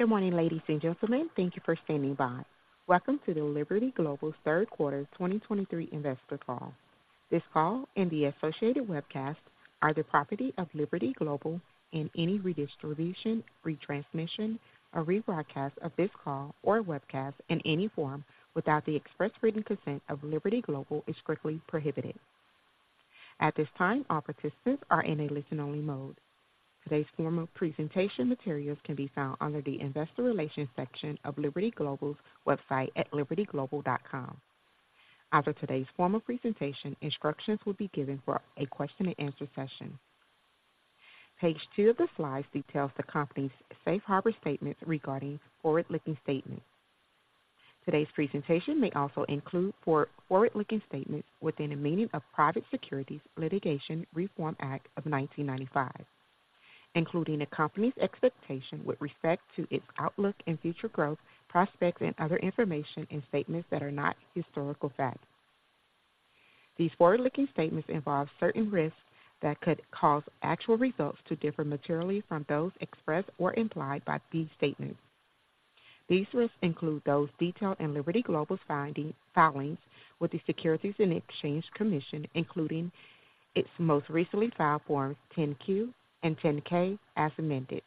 Good morning, ladies and gentlemen. Thank you for standing by. Welcome to the Liberty Global Third Quarter 2023 Investor Call. This call and the associated webcast are the property of Liberty Global, and any redistribution, retransmission, or rebroadcast of this call or webcast in any form without the express written consent of Liberty Global is strictly prohibited. At this time, all participants are in a listen-only mode. Today's form of presentation materials can be found under the Investor Relations section of Liberty Global's website at libertyglobal.com. After today's formal presentation, instructions will be given for a question-and-answer session. Page two of the slides details the company's safe harbor statements regarding forward-looking statements. Today's presentation may also include forward-looking statements within the meaning of Private Securities Litigation Reform Act of 1995, including the company's expectations with respect to its outlook and future growth, prospects, and other information in statements that are not historical facts. These forward-looking statements involve certain risks that could cause actual results to differ materially from those expressed or implied by these statements. These risks include those detailed in Liberty Global's filings with the Securities and Exchange Commission, including its most recently filed Forms 10-Q and 10-K, as amended.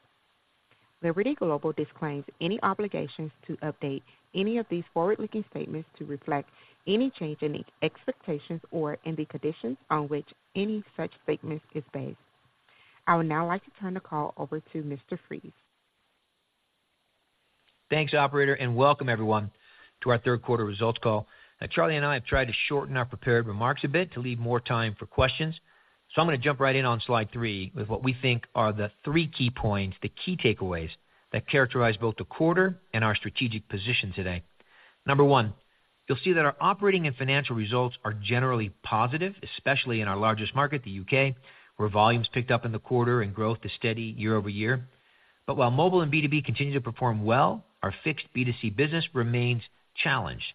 Liberty Global disclaims any obligations to update any of these forward-looking statements to reflect any change in the expectations or in the conditions on which any such statement is based. I would now like to turn the call over to Mr. Fries. Thanks, operator, and welcome everyone to our third quarter results call. Now, Charlie and I have tried to shorten our prepared remarks a bit to leave more time for questions. So I'm going to jump right in on slide 3 with what we think are the three key points, the key takeaways that characterize both the quarter and our strategic position today. Number 1, you'll see that our operating and financial results are generally positive, especially in our largest market, the UK, where volumes picked up in the quarter and growth is steady year-over-year. But while mobile and B2B continue to perform well, our fixed B2C business remains challenged.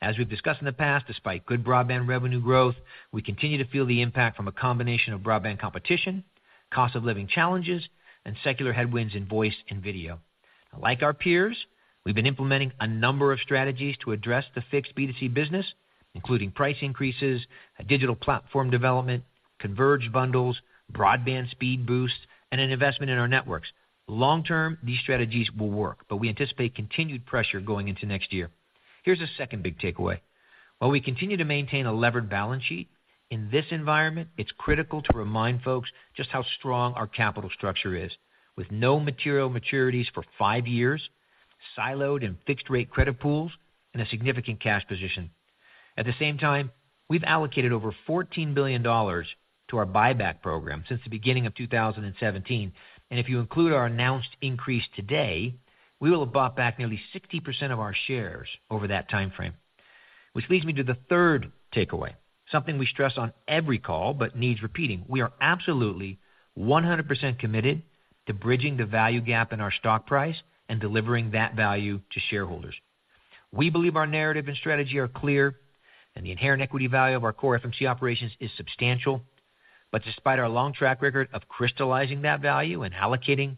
As we've discussed in the past, despite good broadband revenue growth, we continue to feel the impact from a combination of broadband competition, cost of living challenges, and secular headwinds in voice and video. Like our peers, we've been implementing a number of strategies to address the fixed B2C business, including price increases, a digital platform development, converged bundles, broadband speed boosts, and an investment in our networks. Long-term, these strategies will work, but we anticipate continued pressure going into next year. Here's a second big takeaway. While we continue to maintain a levered balance sheet, in this environment, it's critical to remind folks just how strong our capital structure is. With no material maturities for five years, siloed in fixed-rate credit pools and a significant cash position. At the same time, we've allocated over $14 billion to our buyback program since the beginning of 2017, and if you include our announced increase today, we will have bought back nearly 60% of our shares over that timeframe. Which leads me to the third takeaway, something we stress on every call but needs repeating. We are absolutely 100% committed to bridging the value gap in our stock price and delivering that value to shareholders. We believe our narrative and strategy are clear, and the inherent equity value of our core FMC operations is substantial. But despite our long track record of crystallizing that value and allocating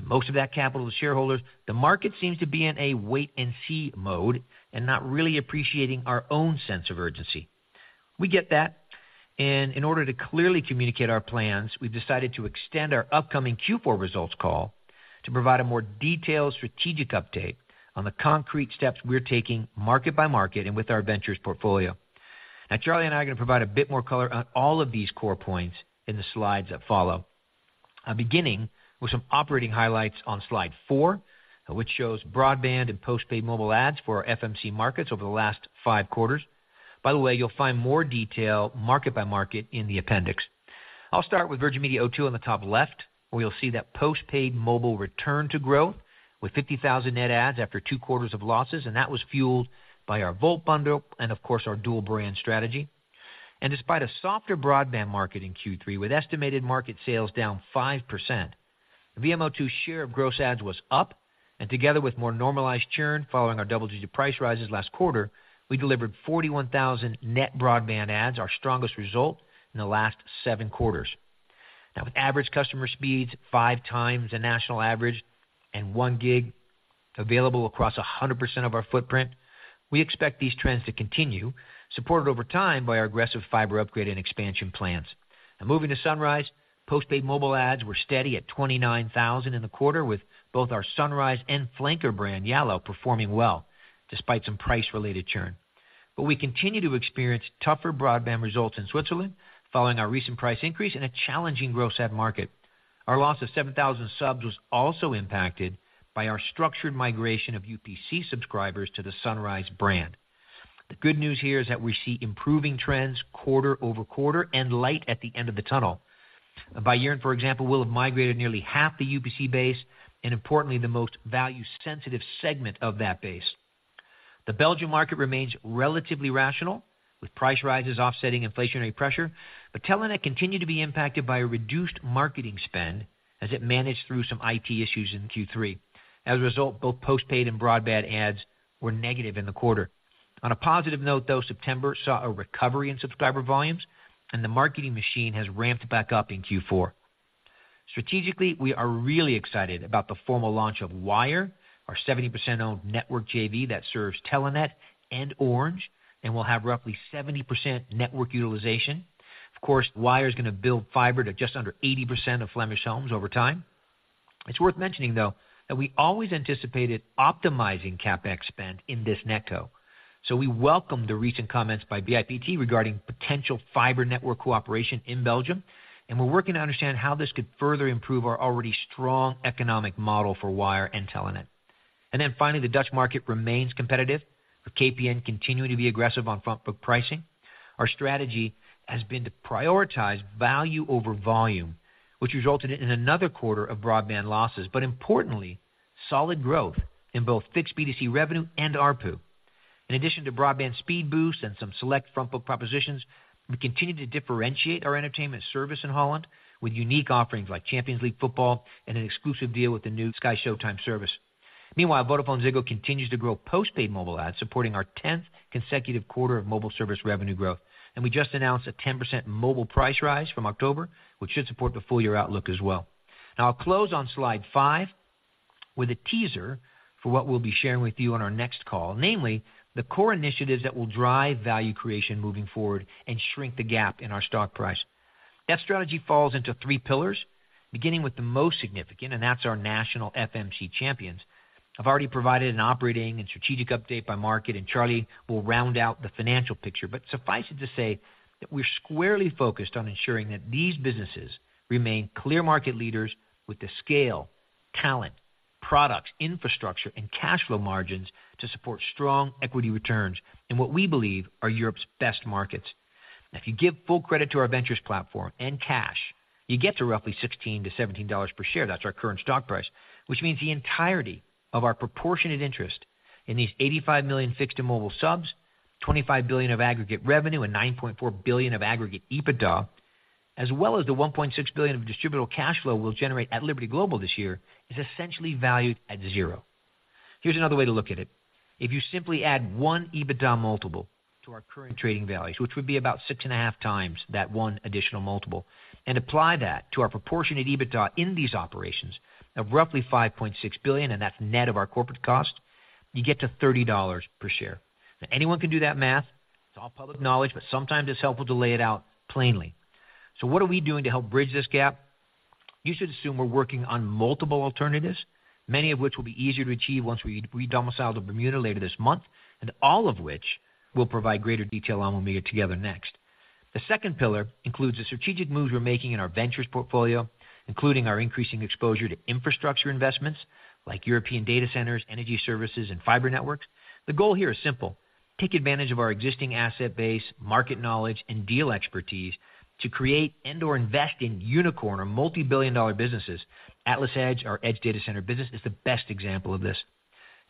most of that capital to shareholders, the market seems to be in a wait and see mode and not really appreciating our own sense of urgency. We get that, and in order to clearly communicate our plans, we've decided to extend our upcoming Q4 results call to provide a more detailed strategic update on the concrete steps we're taking market by market and with our ventures portfolio. Now, Charlie and I are going to provide a bit more color on all of these core points in the slides that follow. I'm beginning with some operating highlights on slide 4, which shows broadband and postpaid mobile adds for our FMC markets over the last 5 quarters. By the way, you'll find more detail market by market in the appendix. I'll start with Virgin Media O2 on the top left, where you'll see that postpaid mobile return to growth with 50,000 net adds after 2 quarters of losses, and that was fueled by our Volt bundle and of course, our dual brand strategy. Despite a softer broadband market in Q3 with estimated market sales down 5%, VMO2 share of gross adds was up, and together with more normalized churn following our double-digit price rises last quarter, we delivered 41,000 net broadband adds, our strongest result in the last 7 quarters. Now, with average customer speeds 5 times the national average and one gig available across 100% of our footprint, we expect these trends to continue, supported over time by our aggressive fiber upgrade and expansion plans. Now, moving to Sunrise, postpaid mobile adds were steady at 29,000 in the quarter, with both our Sunrise and flanker brand, Yallo, performing well despite some price-related churn. But we continue to experience tougher broadband results in Switzerland following our recent price increase in a challenging gross add market. Our loss of 7,000 subs was also impacted by our structured migration of UPC subscribers to the Sunrise brand. The good news here is that we see improving trends quarter-over-quarter and light at the end of the tunnel. By year-end, for example, we'll have migrated nearly half the UPC base and importantly, the most value-sensitive segment of that base. The Belgian market remains relatively rational, with price rises offsetting inflationary pressure, but Telenet continued to be impacted by a reduced marketing spend as it managed through some IT issues in Q3. As a result, both postpaid and broadband adds were negative in the quarter. On a positive note, though, September saw a recovery in subscriber volumes, and the marketing machine has ramped back up in Q4. Strategically, we are really excited about the formal launch of Wyre, our 70% owned network JV that serves Telenet and Orange, and will have roughly 70% network utilization. Of course, Wyre is going to build fiber to just under 80% of Flemish homes over time. It's worth mentioning, though, that we always anticipated optimizing CapEx spend in this NetCo. So we welcome the recent comments by BIPT regarding potential fiber network cooperation in Belgium, and we're working to understand how this could further improve our already strong economic model for Wyre and Telenet. And then finally, the Dutch market remains competitive, with KPN continuing to be aggressive on front-book pricing. Our strategy has been to prioritize value over volume, which resulted in another quarter of broadband losses, but importantly, solid growth in both fixed B2C revenue and ARPU. In addition to broadband speed boosts and some select front book propositions, we continue to differentiate our entertainment service in Holland with unique offerings like Champions League football and an exclusive deal with the new SkyShowtime service. Meanwhile, VodafoneZiggo continues to grow postpaid mobile adds, supporting our tenth consecutive quarter of mobile service revenue growth. We just announced a 10% mobile price rise from October, which should support the full year outlook as well. Now, I'll close on slide 5 with a teaser for what we'll be sharing with you on our next call, namely the core initiatives that will drive value creation moving forward and shrink the gap in our stock price. That strategy falls into three pillars, beginning with the most significant and that's our national FMC champions. I've already provided an operating and strategic update by market, and Charlie will round out the financial picture. But suffice it to say that we're squarely focused on ensuring that these businesses remain clear market leaders with the scale, talent, products, infrastructure, and cash flow margins to support strong equity returns in what we believe are Europe's best markets. Now, if you give full credit to our ventures platform and cash, you get to roughly $16-$17 per share. That's our current stock price, which means the entirety of our proportionate interest in these 85 million fixed and mobile subs, $25 billion of aggregate revenue, and $9.4 billion of aggregate EBITDA, as well as the $1.6 billion of distributable cash flow we'll generate at Liberty Global this year, is essentially valued at zero. Here's another way to look at it: If you simply add one EBITDA multiple to our current trading values, which would be about 6.5 times that one additional multiple, and apply that to our proportionate EBITDA in these operations of roughly $5.6 billion, and that's net of our corporate cost, you get to $30 per share. Now, anyone can do that math. It's all public knowledge, but sometimes it's helpful to lay it out plainly. So what are we doing to help bridge this gap? You should assume we're working on multiple alternatives, many of which will be easier to achieve once we redomicile to Bermuda later this month, and all of which we'll provide greater detail on when we get together next. The second pillar includes the strategic moves we're making in our ventures portfolio, including our increasing exposure to infrastructure investments like European data centers, energy services, and fiber networks. The goal here is simple: take advantage of our existing asset base, market knowledge, and deal expertise to create and/or invest in unicorn or multibillion-dollar businesses. AtlasEdge, our edge data center business, is the best example of this.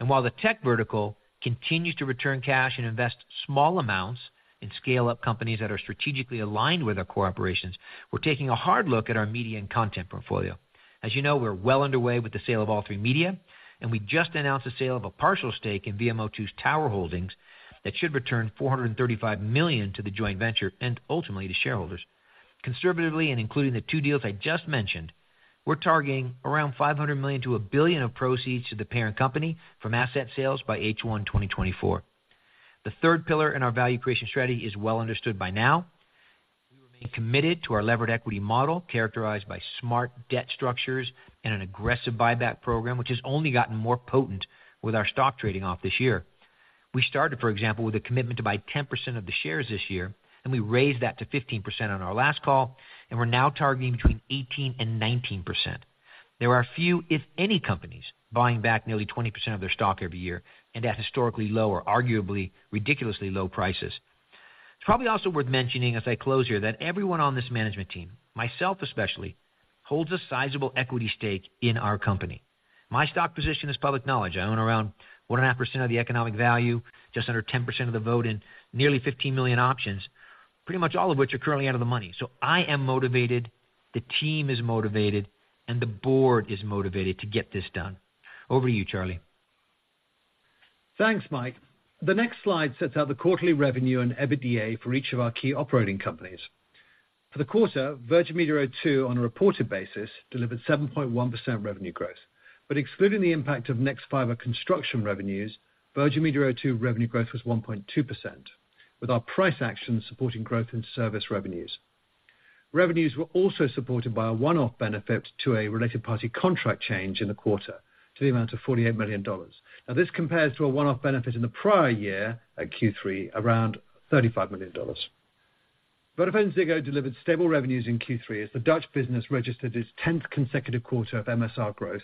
While the tech vertical continues to return cash and invest small amounts in scale-up companies that are strategically aligned with our core operations, we're taking a hard look at our media and content portfolio. As we're well underway with the sale of All3Media, and we just announced the sale of a partial stake in VMO2's tower holdings that should return $435 million to the joint venture and ultimately to shareholders. Conservatively, and including the two deals I just mentioned, we're targeting around $500 million-$1 billion of proceeds to the parent company from asset sales by H1 2024. The third pillar in our value creation strategy is well understood by now. We remain committed to our levered equity model, characterized by smart debt structures and an aggressive buyback program, which has only gotten more potent with our stock trading off this year. We started, for example, with a commitment to buy 10% of the shares this year, and we raised that to 15% on our last call, and we're now targeting between 18% and 19%. There are few, if any, companies buying back nearly 20% of their stock every year and at historically low or arguably ridiculously low prices. It's probably also worth mentioning as I close here, that everyone on this management team, myself especially, holds a sizable equity stake in our company. My stock position is public knowledge. I own around 1.5% of the economic value, just under 10% of the vote, and nearly 15 million options, pretty much all of which are currently out of the money. So I am motivated, the team is motivated, and the board is motivated to get this done. Over to you, Charlie. Thanks, Mike. The next slide sets out the quarterly revenue and EBITDA for each of our key operating companies. For the quarter, Virgin Media O2, on a reported basis, delivered 7.1% revenue growth, but excluding the impact of nexfibre construction revenues, Virgin Media O2 revenue growth was 1.2%, with our price action supporting growth in service revenues. Revenues were also supported by a one-off benefit to a related party contract change in the quarter to the amount of $48 million. Now, this compares to a one-off benefit in the prior year at Q3, around $35 million. VodafoneZiggo delivered stable revenues in Q3 as the Dutch business registered its 10th consecutive quarter of MSR growth,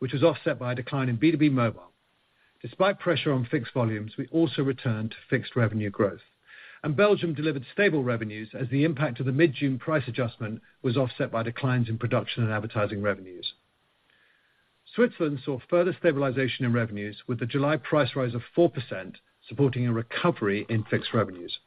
which was offset by a decline in B2B mobile. Despite pressure on fixed volumes, we also returned to fixed revenue growth, and Belgium delivered stable revenues as the impact of the mid-June price adjustment was offset by declines in production and advertising revenues. Switzerland saw further stabilization in revenues, with the July price rise of 4% supporting a recovery in fixed revenues.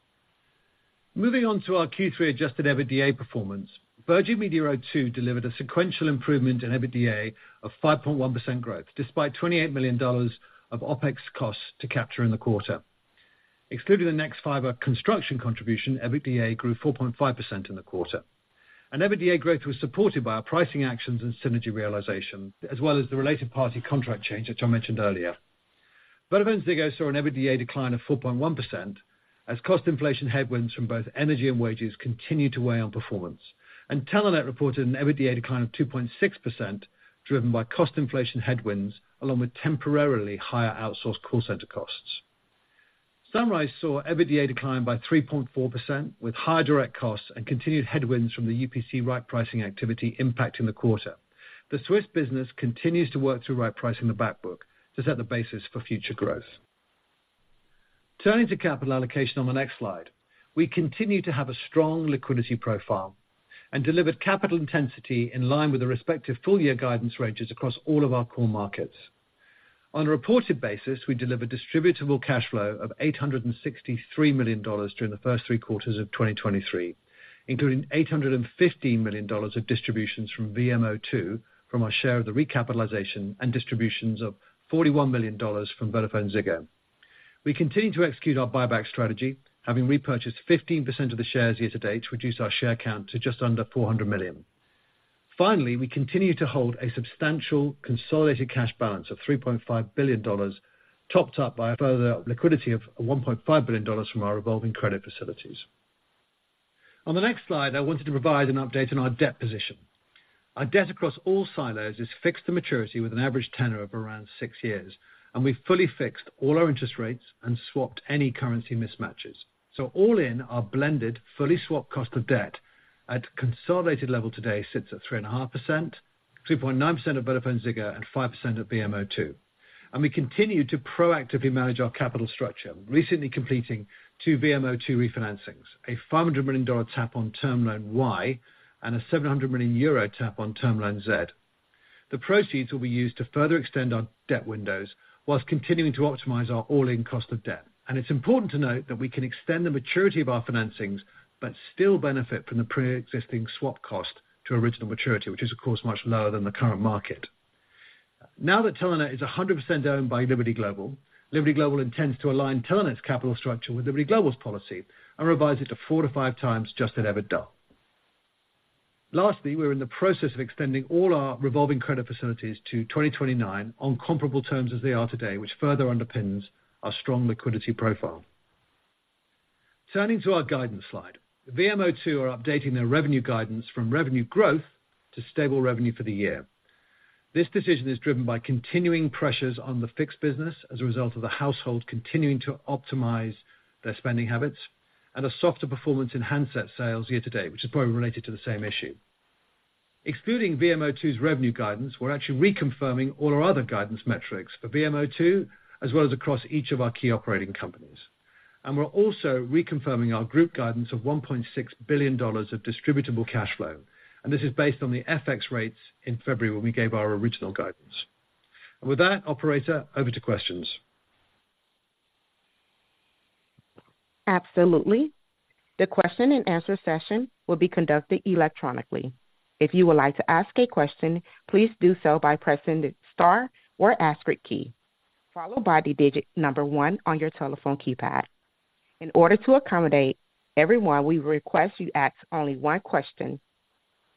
Moving on to our Q3 adjusted EBITDA performance. Virgin Media O2 delivered a sequential improvement in EBITDA of 5.1% growth, despite $28 million of OpEx costs to capture in the quarter. Excluding the nexfibre construction contribution, EBITDA grew 4.5% in the quarter, and EBITDA growth was supported by our pricing actions and synergy realization, as well as the related party contract change, which I mentioned earlier. VodafoneZiggo saw an EBITDA decline of 4.1%, as cost inflation headwinds from both energy and wages continued to weigh on performance. Telenet reported an EBITDA decline of 2.6%, driven by cost inflation headwinds, along with temporarily higher outsourced call center costs. Sunrise saw EBITDA decline by 3.4%, with higher direct costs and continued headwinds from the UPC re-pricing activity impacting the quarter. The Swiss business continues to work through re-pricing the backbook to set the basis for future growth. Turning to capital allocation on the next slide. We continue to have a strong liquidity profile and delivered capital intensity in line with the respective full-year guidance ranges across all of our core markets. On a reported basis, we delivered distributable cash flow of $863 million during the first three quarters of 2023, including $815 million of distributions from VMO2, from our share of the recapitalization and distributions of $41 million from Vodafone Ziggo. We continue to execute our buyback strategy, having repurchased 15% of the shares year to date to reduce our share count to just under 400 million. Finally, we continue to hold a substantial consolidated cash balance of $3.5 billion, topped up by a further liquidity of $1.5 billion from our revolving credit facilities. On the next slide, I wanted to provide an update on our debt position. Our debt across all silos is fixed to maturity with an average tenor of around six years, and we've fully fixed all our interest rates and swapped any currency mismatches. So all in our blended, fully swapped cost of debt at consolidated level today sits at 3.5%, 3.9% of VodafoneZiggo, and 5% of VMO2. And we continue to proactively manage our capital structure, recently completing two VMO2 refinancings, a $500 million tap on Term Loan Y and a 700 million euro tap on Term Loan Z. The proceeds will be used to further extend our debt windows while continuing to optimize our all-in cost of debt. It's important to note that we can extend the maturity of our financings, but still benefit from the pre-existing swap cost to original maturity, which is of course much lower than the current market. Now that Telenet is 100% owned by Liberty Global, Liberty Global intends to align Telenet's capital structure with Liberty Global's policy and revise it to 4-5 times adjusted EBITDA. Lastly, we're in the process of extending all our revolving credit facilities to 2029 on comparable terms as they are today, which further underpins our strong liquidity profile. Turning to our guidance slide. VMO2 are updating their revenue guidance from revenue growth to stable revenue for the year. This decision is driven by continuing pressures on the fixed business as a result of the household continuing to optimize their spending habits, and a softer performance in handset sales year to date, which is probably related to the same issue. Excluding VMO2's revenue guidance, we're actually reconfirming all our other guidance metrics for VMO2, as well as across each of our key operating companies. And we're also reconfirming our group guidance of $1.6 billion of distributable cash flow, and this is based on the FX rates in February, when we gave our original guidance. And with that, operator, over to questions. Absolutely. The question-and-answer session will be conducted electronically. If you would like to ask a question, please do so by pressing the star or asterisk key, followed by the digit number 1 on your telephone keypad. In order to accommodate everyone, we request you ask only one question.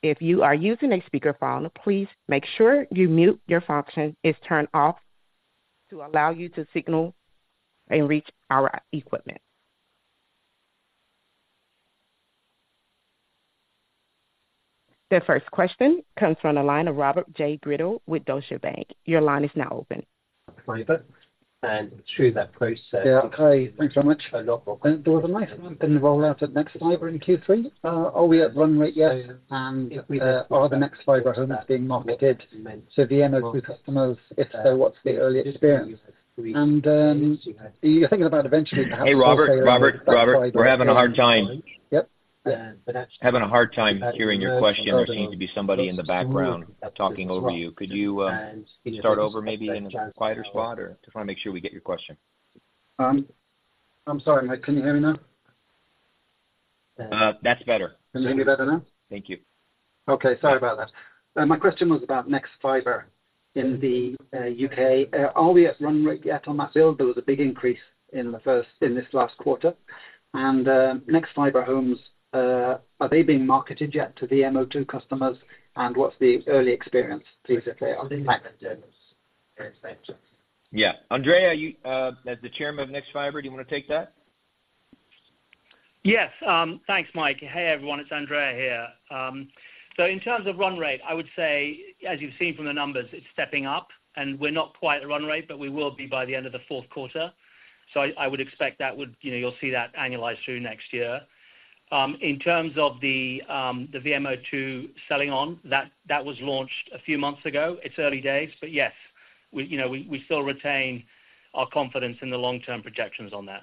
If you are using a speakerphone, please make sure your mute function is turned off to allow you to signal and reach our equipment. The first question comes from the line of Robert J. Grindle with Deutsche Bank. Your line is now open. And through that process- Yeah. Hi, thanks very much. There was a nice B2B rollout at nexfibre in Q3. Are we at run rate yet? And, are the nexfibre homes being marketed to VMO2 customers? If so, what's the early experience? And, you're thinking about eventually perhaps- Hey, Robert? Robert, Robert, we're having a hard time. Yep. Having a hard time hearing your question. There seems to be somebody in the background talking over you. Could you start over, maybe in a quieter spot, or just wanna make sure we get your question? I'm sorry, Mike, can you hear me now? That's better. Can you hear me better now? Thank you. Okay. Sorry about that. My question was about nexfibre in the, UK. Are we at run rate yet on that build? There was a big increase in this last quarter. And, nexfibre homes, are they being marketed yet to VMO2 customers, and what's the early experience, please, if they are? Thanks. Yeah. Andrea, you, as the chairman of nexfibre, do you wanna take that? Yes. Thanks, Mike. Hey, everyone, it's Andrea here. So in terms of run rate, I would say, as you've seen from the numbers, it's stepping up, and we're not quite at run rate, but we will be by the end of the fourth quarter. So I, I would expect that would. you'll see that annualized through next year. In terms of the, the VMO2 selling on, that, that was launched a few months ago. It's early days, but yes, we, we, we still retain our confidence in the long-term projections on that.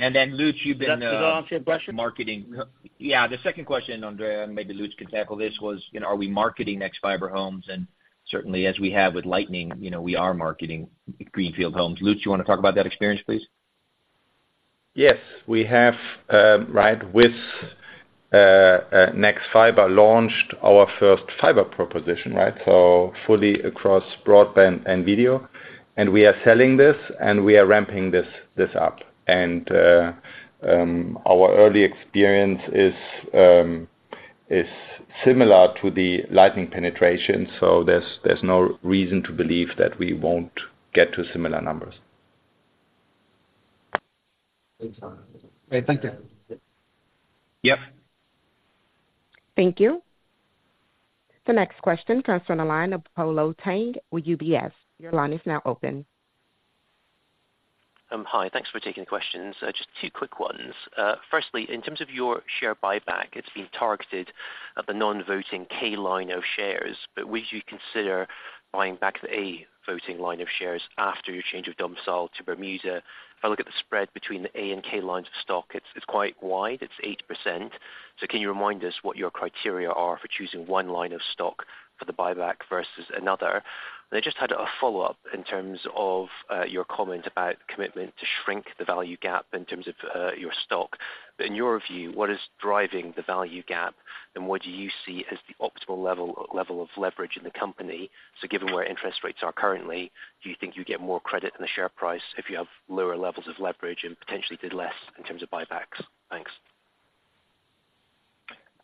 .then, Lutz, you've been- Does that answer your question? Marketing. Yeah, the second question, Andrea, maybe Lutz can tackle this, was, are we marketing nexfibre homes? And certainly, as we have with Lightning, we are marketing greenfield homes. Lutz, you wanna talk about that experience, please? Yes, we have, right, with nexfibre launched our first fiber proposition, right? So fully across broadband and video, and we are selling this, and we are ramping this up. Our early experience is similar to the Lightning penetration, so there's no reason to believe that we won't get to similar numbers. Great. Thank you. Yep. Thank you. The next question comes from the line of Polo Tang with UBS. Your line is now open. Hi, thanks for taking the questions. Just two quick ones. Firstly, in terms of your share buyback, it's been targeted at the non-voting K line of shares, but would you consider buying back the A voting line of shares after your change of domicile to Bermuda? If I look at the spread between the A and K lines of stock, it's quite wide. It's 8%. So can you remind us what your criteria are for choosing one line of stock for the buyback versus another? And I just had a follow-up in terms of your comment about commitment to shrink the value gap in terms of your stock. But in your view, what is driving the value gap, and what do you see as the optimal level of leverage in the company? So given where interest rates are currently, do you think you get more credit in the share price if you have lower levels of leverage and potentially did less in terms of buybacks? Thanks.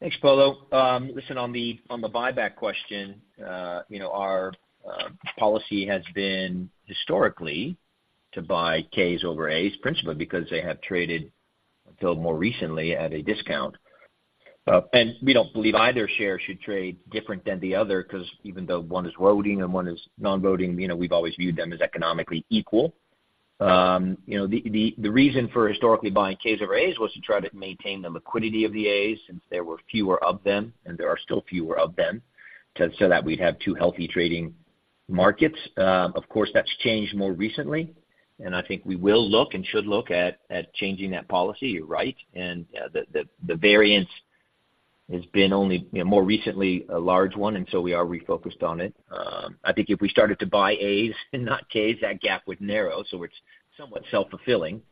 Thanks, Polo. Listen, on the buyback question, our policy has been historically to buy Ks over As, principally because they have traded until more recently at a discount. And we don't believe either share should trade different than the other, 'cause even though one is voting and one is non-voting, we've always viewed them as economically equal. the reason for historically buying Ks over As was to try to maintain the liquidity of the As since there were fewer of them, and there are still fewer of them, so that we'd have two healthy trading markets. Of course, that's changed more recently, and I think we will look and should look at changing that policy, right? And, the variance has been only, more recently, a large one, and so we are refocused on it. I think if we started to buy As and not Ks, that gap would narrow, so it's somewhat self-fulfilling.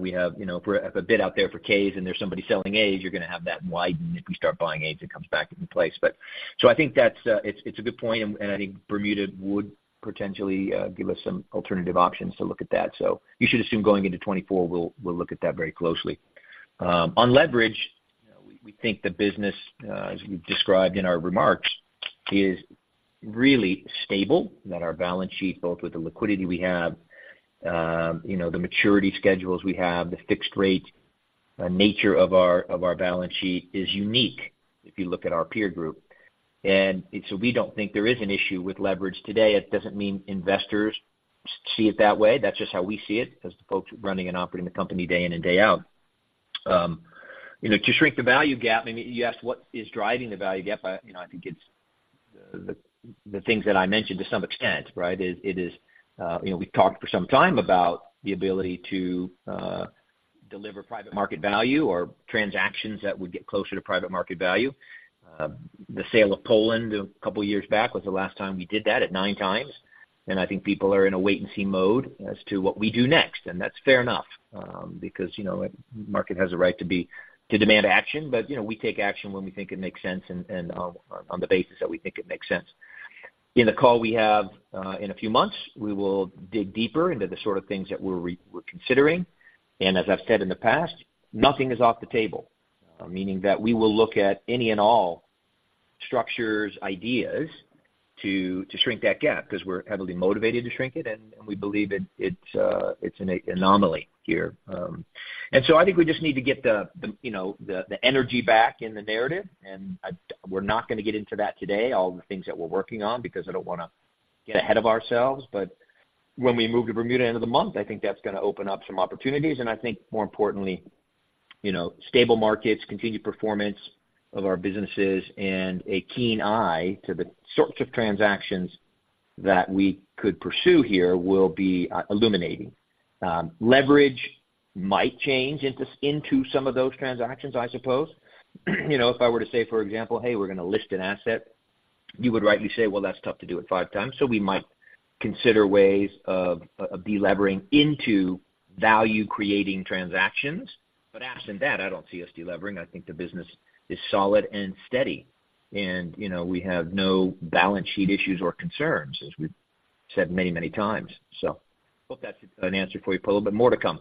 We have, for a bit out there for Ks and there's somebody selling As, you're gonna have that widen if we start buying As, it comes back into place. But so I think that's, it's a good point, and I think Bermuda would potentially give us some alternative options to look at that. So you should assume going into 2024, we'll look at that very closely. On leverage, we think the business, as we've described in our remarks, is really stable, that our balance sheet, both with the liquidity we have, the maturity schedules we have, the fixed rate nature of our balance sheet is unique if you look at our peer group. And so we don't think there is an issue with leverage today. It doesn't mean investors see it that way. That's just how we see it, as the folks running and operating the company day in and day out. To shrink the value gap, I mean, you asked what is driving the value gap?I, I think it's the things that I mentioned to some extent. It is, we've talked for some time about the ability to deliver private market value or transactions that would get closer to private market value. The sale of Poland a couple of years back was the last time we did that at 9x, and I think people are in a wait-and-see mode as to what we do next, and that's fair enough, because, market has a right to be to demand action. But, we take action when we think it makes sense and on the basis that we think it makes sense. In the call we have in a few months, we will dig deeper into the sort of things that we're considering. As I've said in the past, nothing is off the table, meaning that we will look at any and all structures, ideas to shrink that gap, because we're heavily motivated to shrink it, and we believe it's an anomaly here. So I think we just need to get the, the energy back in the narrative, and we're not gonna get into that today, all the things that we're working on, because I don't wanna get ahead of ourselves. But when we move to Bermuda end of the month, I think that's gonna open up some opportunities. And I think more importantly, stable markets, continued performance of our businesses, and a keen eye to the sorts of transactions that we could pursue here will be illuminating. Leverage might change into some of those transactions, I suppose. if I were to say, for example, "Hey, we're gonna list an asset," you would rightly say, "Well, that's tough to do at 5x." So we might consider ways of delivering into value-creating transactions. But absent that, I don't see us delivering. I think the business is solid and steady, and, we have no balance sheet issues or concerns, as we've said many, many times. So hope that's an answer for you, Polo, but more to come.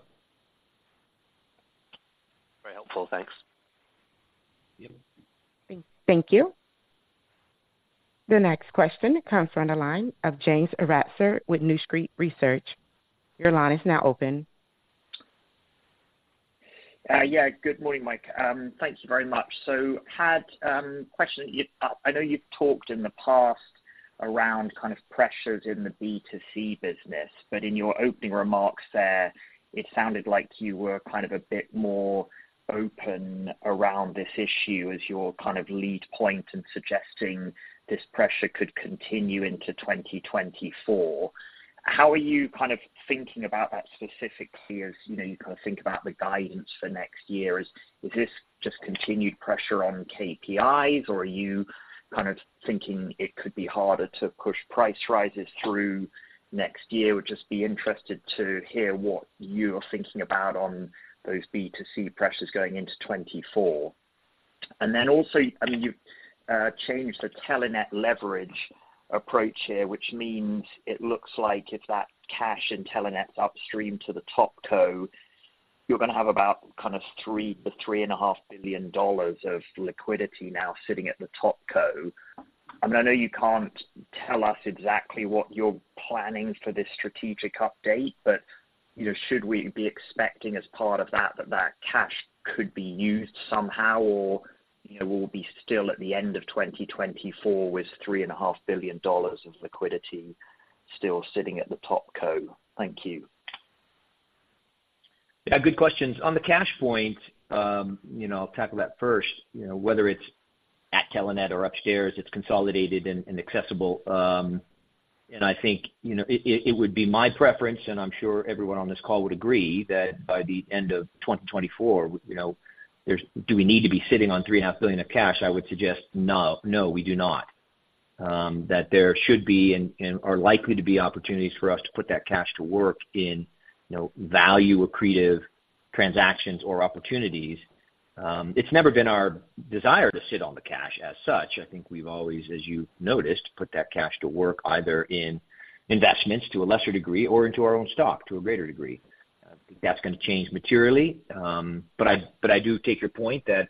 Very helpful. Thanks. Yep. Thank you. The next question comes from the line of James Ratzer with New Street Research. Your line is now open. Yeah, good morning, Mike. Thank you very much. So had a question. You, I know you've talked in the past around kind of pressures in the B2C business, but in your opening remarks there, it sounded like you were kind of a bit more open around this issue as your kind of lead point in suggesting this pressure could continue into 2024. How are you kind of thinking about that specifically, as you kind of think about the guidance for next year? Is this just continued pressure on KPIs, or are you kind of thinking it could be harder to push price rises through next year? Would just be interested to hear what you are thinking about on those B2C pressures going into 2024. And then also, I mean, you've changed the Telenet leverage approach here, which means it looks like if that cash in Telenet's upstream to the TopCo, you're gonna have about kind of $3 billion-$3.5 billion of liquidity now sitting at the TopCo. I mean, I know you can't tell us exactly what you're planning for this strategic update, but, should we be expecting as part of that, that, that cash could be used somehow, or, we'll be still at the end of 2024 with $3.5 billion of liquidity still sitting at the TopCo? Thank you. Yeah, good questions. On the cash point, I'll tackle that first. whether it's at Telenet or upstairs, it's consolidated and accessible. And I think, it would be my preference, and I'm sure everyone on this call would agree, that by the end of 2024, there's. Do we need to be sitting on $3.5 billion of cash? I would suggest no. No, we do not. That there should be and are likely to be opportunities for us to put that cash to work in, value accretive transactions or opportunities. It's never been our desire to sit on the cash as such. I think we've always, as you've noticed, put that cash to work, either in investments to a lesser degree or into our own stock to a greater degree. I don't think that's gonna change materially, but I do take your point that.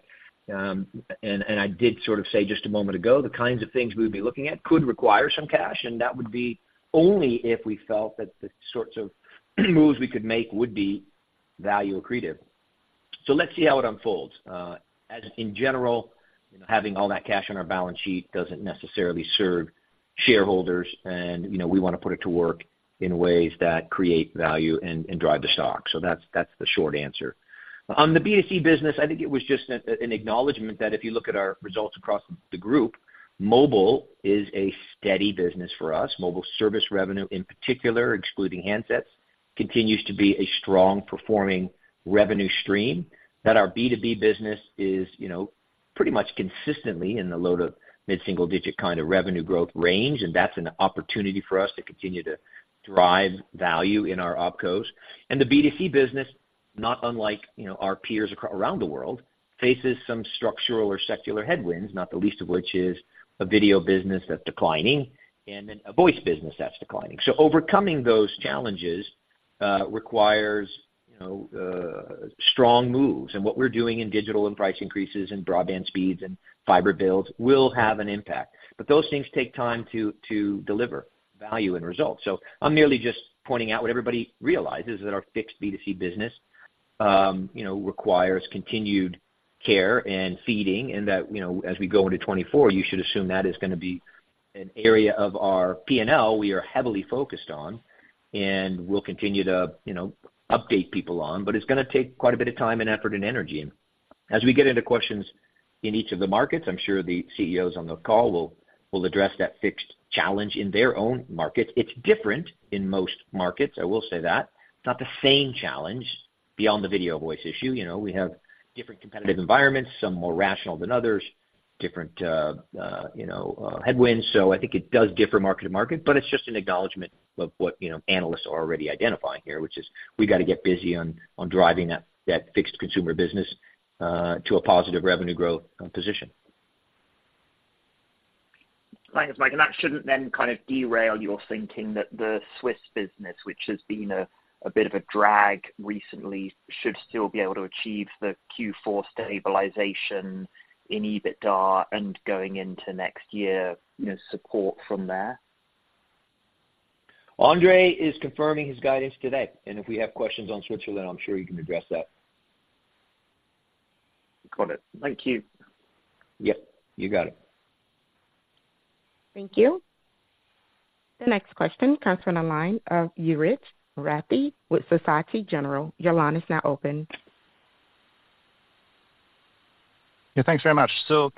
And I did sort of say just a moment ago, the kinds of things we would be looking at could require some cash, and that would be only if we felt that the sorts of moves we could make would be value accretive. So let's see how it unfolds. As in general, having all that cash on our balance sheet doesn't necessarily serve shareholders, and, we wanna put it to work in ways that create value and drive the stock. So that's the short answer. On the B2C business, I think it was just an acknowledgment that if you look at our results across the group, mobile is a steady business for us. Mobile service revenue, in particular, excluding handsets, continues to be a strong performing revenue stream. That our B2B business is, pretty much consistently in the load of mid-single digit kind of revenue growth range, and that's an opportunity for us to continue to derive value in our OpCos. And the B2C business, not unlike, our peers around the world, faces some structural or secular headwinds, not the least of which is a video business that's declining, and then a voice business that's declining. So overcoming those challenges requires, strong moves. And what we're doing in digital and price increases and broadband speeds and fiber builds will have an impact, but those things take time to deliver value and results. So I'm merely just pointing out what everybody realizes, that our fixed B2C business, requires continued care and feeding, and that, as we go into 2024, you should assume that is gonna be an area of our P&L we are heavily focused on, and we'll continue to, update people on, but it's gonna take quite a bit of time and effort and energy. As we get into questions in each of the markets, I'm sure the CEOs on the call will address that fixed challenge in their own markets. It's different in most markets, I will say that. It's not the same challenge beyond the video voice issue. we have different competitive environments, some more rational than others, different, headwinds. I think it does differ market to market, but it's just an acknowledgment of what, analysts are already identifying here, which is we've got to get busy on driving that fixed consumer business to a positive revenue growth position. Thanks, Mike, and that shouldn't then kind of derail your thinking that the Swiss business, which has been a bit of a drag recently, should still be able to achieve the Q4 stabilization in EBITDA and going into next year, support from there? André is confirming his guidance today, and if we have questions on Switzerland, I'm sure he can address that. Got it. Thank you. Yep, you got it. Thank you. The next question comes from the line of Ulrich Rathe with Société Générale. Your line is now open. Yeah, thanks very much. So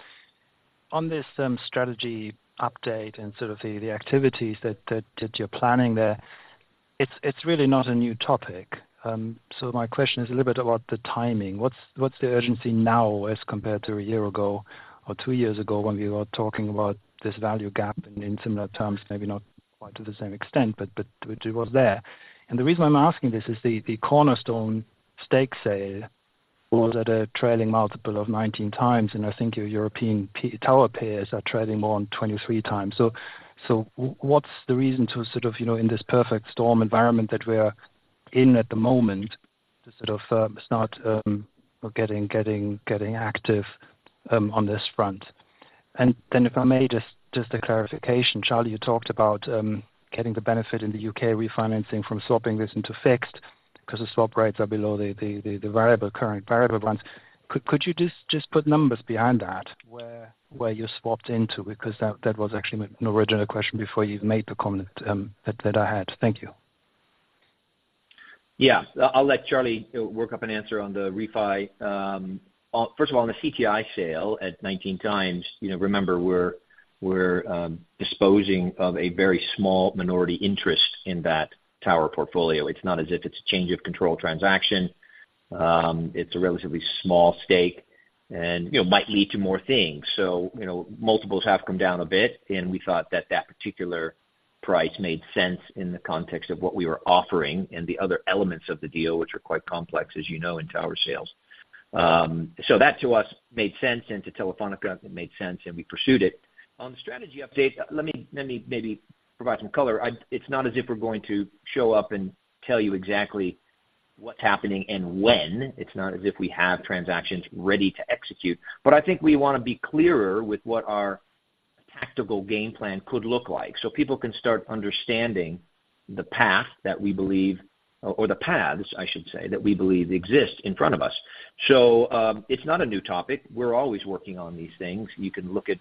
on this strategy update and sort of the activities that you're planning there, it's really not a new topic. So my question is a little bit about the timing. What's the urgency now, as compared to a year ago or two years ago, when we were talking about this value gap in similar terms, maybe not quite to the same extent, but which it was there? And the reason why I'm asking this is the Cornerstone stake sale was at a trailing multiple of 19x, and I think your European tower peers are trailing more on 23x. So, what's the reason to sort of, in this perfect storm environment that we are in at the moment, to sort of, start, getting active, on this front? And then if I may, just a clarification. Charlie, you talked about, getting the benefit in the UK refinancing from swapping this into fixed because the swap rates are below the, the variable, current variable ones. Could you just put numbers behind that, where you swapped into? Because that was actually my original question before you've made the comment, that I had. Thank you. Yeah, I'll let Charlie work up an answer on the refi. On first of all, on the CTI sale at 19x, remember, we're disposing of a very small minority interest in that tower portfolio. It's not as if it's a change of control transaction. It's a relatively small stake and, might lead to more things. So, multiples have come down a bit, and we thought that that particular price made sense in the context of what we were offering and the other elements of the deal, which are quite complex, as in tower sales. So that to us, made sense, and to Telefónica, it made sense, and we pursued it. On the strategy update, let me maybe provide some color. It's not as if we're going to show up and tell you exactly what's happening and when. It's not as if we have transactions ready to execute. But I think we wanna be clearer with what our tactical game plan could look like, so people can start understanding the path that we believe, or, or the paths, I should say, that we believe exist in front of us. So, it's not a new topic. We're always working on these things. You can look at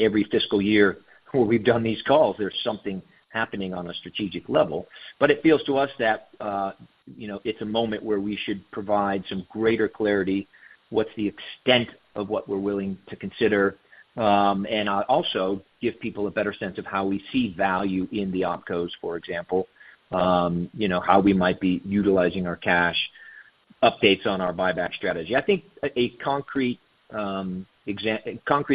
every fiscal year where we've done these calls, there's something happening on a strategic level. But it feels to us that, it's a moment where we should provide some greater clarity, what's the extent of what we're willing to consider, and also give people a better sense of how we see value in the OpCos, for example. how we might be utilizing our cash, updates on our buyback strategy. I think concrete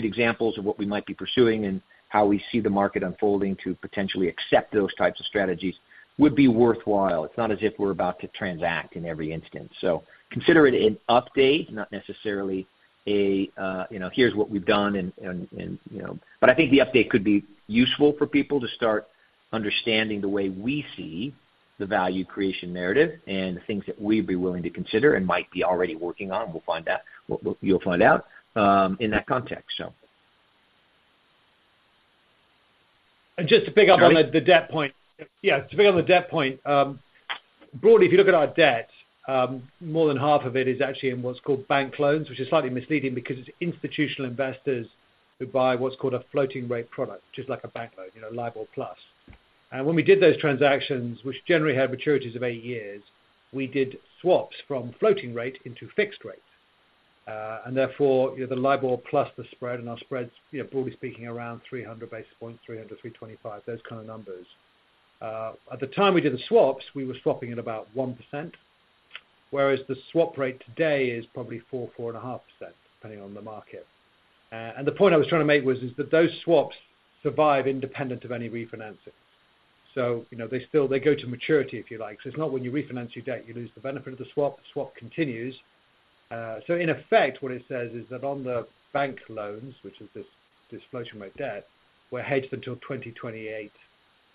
examples of what we might be pursuing and how we see the market unfolding to potentially accept those types of strategies would be worthwhile. It's not as if we're about to transact in every instance. So consider it an update, not necessarily, here's what we've done and, you know. But I think the update could be useful for people to start understanding the way we see the value creation narrative and the things that we'd be willing to consider and might be already working on. We'll find out. You'll find out in that context. Just to pick up on the The debt point. Yeah, to pick on the debt point, broadly, if you look at our debt, more than half of it is actually in what's called bank loans, which is slightly misleading because it's institutional investors who buy what's called a floating rate product, just like a bank loan, LIBOR plus. And when we did those transactions, which generally had maturities of 8 years, we did swaps from floating rate into fixed rate. And therefore, the LIBOR plus the spread, and our spreads, broadly speaking, around 300 basis points, 300, 325, those kind of numbers. At the time we did the swaps, we were swapping at about 1%, whereas the swap rate today is probably 4, 4.5%, depending on the market. And the point I was trying to make was, is that those swaps survive independent of any refinancing. So, they still—they go to maturity, if you like. So it's not when you refinance your debt, you lose the benefit of the swap. The swap continues. So in effect, what it says is that on the bank loans, which is this, this floating rate debt, we're hedged until 2028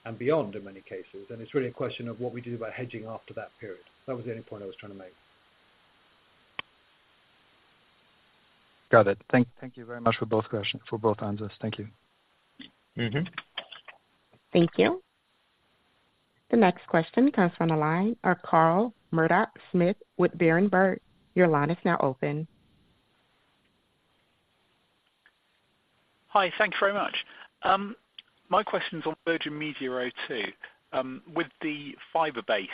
and beyond in many cases. And it's really a question of what we do about hedging after that period. That was the only point I was trying to make. Got it. Thank you very much for both questions, for both answers. Thank you. Thank you. The next question comes from the line of Carl Murdock-Smith with Berenberg. Your line is now open. Hi, thank you very much. My question's on Virgin Media O2. With the fiber base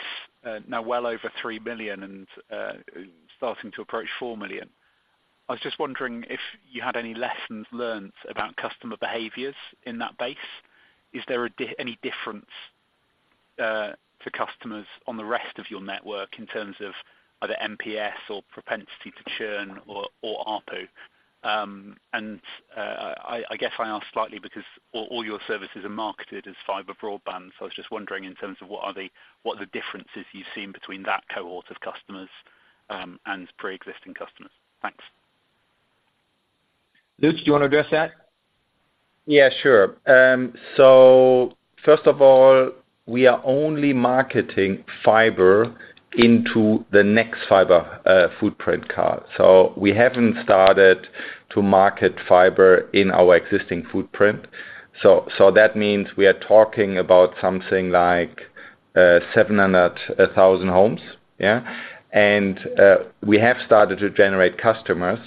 now well over 3 million and starting to approach 4 million, I was just wondering if you had any lessons learned about customer behaviors in that base. Is there any difference to customers on the rest of your network in terms of either NPS or propensity to churn or ARPU? And I guess I ask slightly because all your services are marketed as fiber broadband, so I was just wondering in terms of what are the differences you've seen between that cohort of customers and preexisting customers? Thanks. Lutz, do you want to address that? Yeah, sure. So first of all, we are only marketing fiber into the nexfibre footprint. So we haven't started to market fiber in our existing footprint. So that means we are talking about something like 700,000 homes. Yeah. And we have started to generate customers,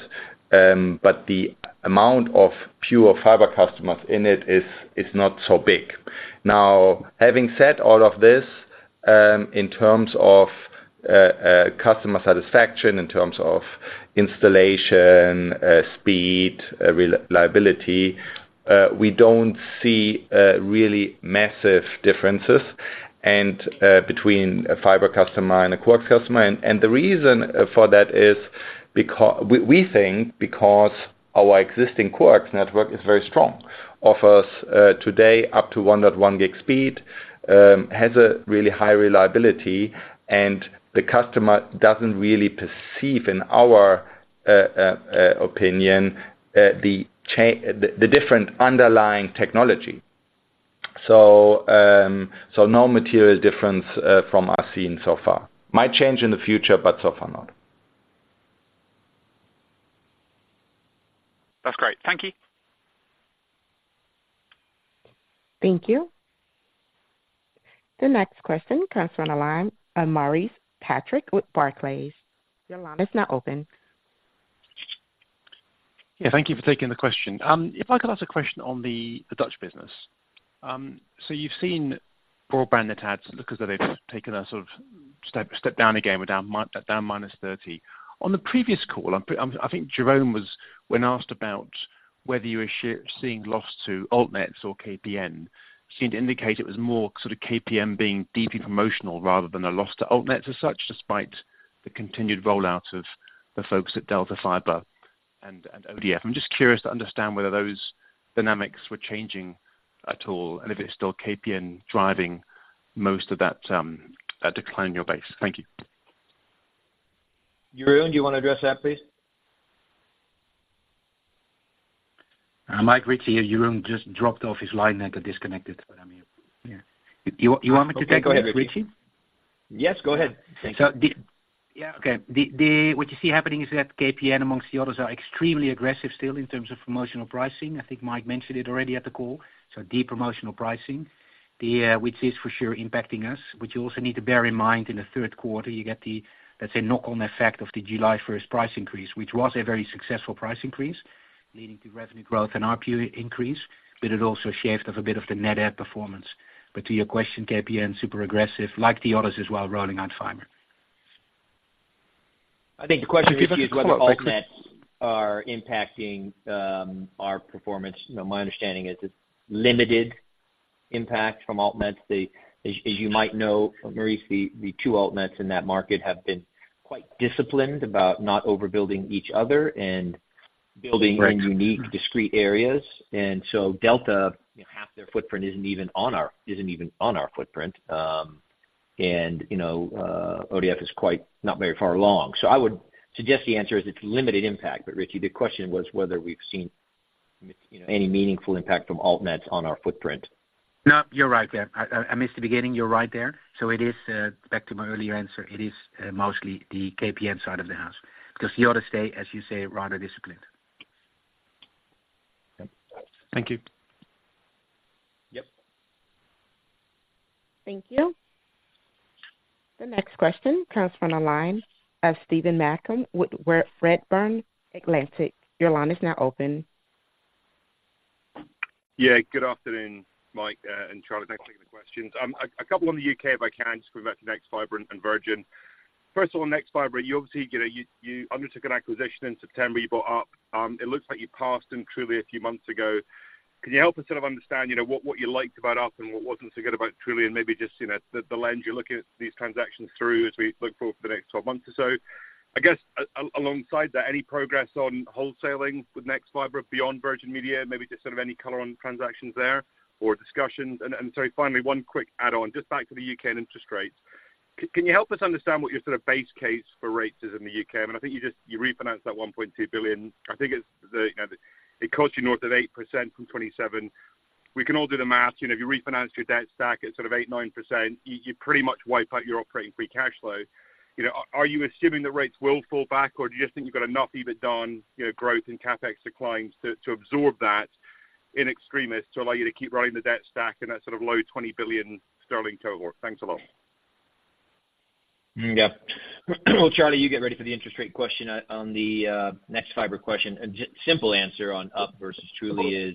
but the amount of pure fiber customers in it is not so big. Now, having said all of this, in terms of customer satisfaction, in terms of installation, speed, reliability, we don't see really massive differences between a fiber customer and a coax customer. And the reason for that is we think because our existing coax network is very strong. Offers today up to 1.1 gig speed, has a really high reliability, and the customer doesn't really perceive, in our opinion, the different underlying technology. So no material difference from what we've seen so far. Might change in the future, but so far not. That's great. Thank you. Thank you. The next question comes from the line of Maurice Patrick with Barclays. Your line is now open. Yeah, thank you for taking the question. If I could ask a question on the Dutch business. So you've seen broadband net adds, because they've taken a sort of step down again, we're down -30. On the previous call, I think Jeroen was, when asked about whether you were seeing loss to altnets or KPN, seemed to indicate it was more sort of KPN being deeply promotional rather than a loss to altnets as such, despite the continued rollout of the folks at Delta Fiber and ODF. I'm just curious to understand whether those dynamics were changing at all, and if it's still KPN driving most of that decline in your base. Thank you. Jeroen, do you want to address that, please? Mike, Ritchy here. Jeroen just dropped off his line and got disconnected, but I mean, yeah. You, you want me to take it, Ritchy? Yes, go ahead. So the- Yeah. Okay, what you see happening is that KPN, among the others, are extremely aggressive still in terms of promotional pricing. I think Mike mentioned it already at the call, so deep promotional pricing, which is for sure impacting us. But you also need to bear in mind, in the third quarter, you get the, let's say, knock-on effect of the July first price increase, which was a very successful price increase, leading to revenue growth and RPU increase, but it also shaved off a bit of the net add performance. But to your question, KPN, super aggressive, like the others, as well, rolling out fiber. I think the question is whether altnets are impacting our performance. my understanding is it's limited impact from altnets. As you might know, Maurice, the two altnets in that market have been quite disciplined about not overbuilding each other and building- in unique, discrete areas. And so Delta, half their footprint isn't even on our, isn't even on our footprint. And, ODF is quite not very far along. So I would suggest the answer is it's limited impact. But Ritchy, the question was whether we've seen, any meaningful impact from altnets on our footprint. No, you're right there. I missed the beginning. You're right there. So it is back to my earlier answer, it is mostly the KPN side of the house, because the others stay, as you say, rather disciplined. Yep. Thank you. Yep. Thank you. The next question comes from the line of Steve Malcolm with Redburn Atlantic. Your line is now open. Yeah, good afternoon, Mike, and Charlie, thanks for taking the questions. A couple on the UK, if I can, just going back to Nexfibre and Virgin. First of all, Nexfibre, you obviously, you undertook an acquisition in September. You bought Up. It looks like you passed on Truly a few months ago. Can you help us sort of understand, what you liked about Up and what wasn't so good about Truly, and maybe just, the lens you're looking at these transactions through, as we look forward to the next 12 months or so? I guess, alongside that, any progress on wholesaling with Nexfibre beyond Virgin Media? Maybe just sort of any color on transactions there or discussions. Sorry, finally, one quick add-on, just back to the UK and interest rates. Can you help us understand what your sort of base case for rates is in the UK? I mean, I think you just refinanced that 1.2 billion. I think it's the, the, it cost you north of 8% from 2027. We can all do the math. if you refinance your debt stack at sort of 8-9%, you pretty much wipe out your operating free cash flow. are you assuming that rates will fall back, or do you just think you've got enough EBITDA on your growth and CapEx declines to absorb that in extremis, to allow you to keep rolling the debt stack in that sort of low 20 billion sterling cohort? Thanks a lot. Yeah. Well, Charlie, you get ready for the interest rate question. On the nexfibre question, a simple answer on Up versus Truly is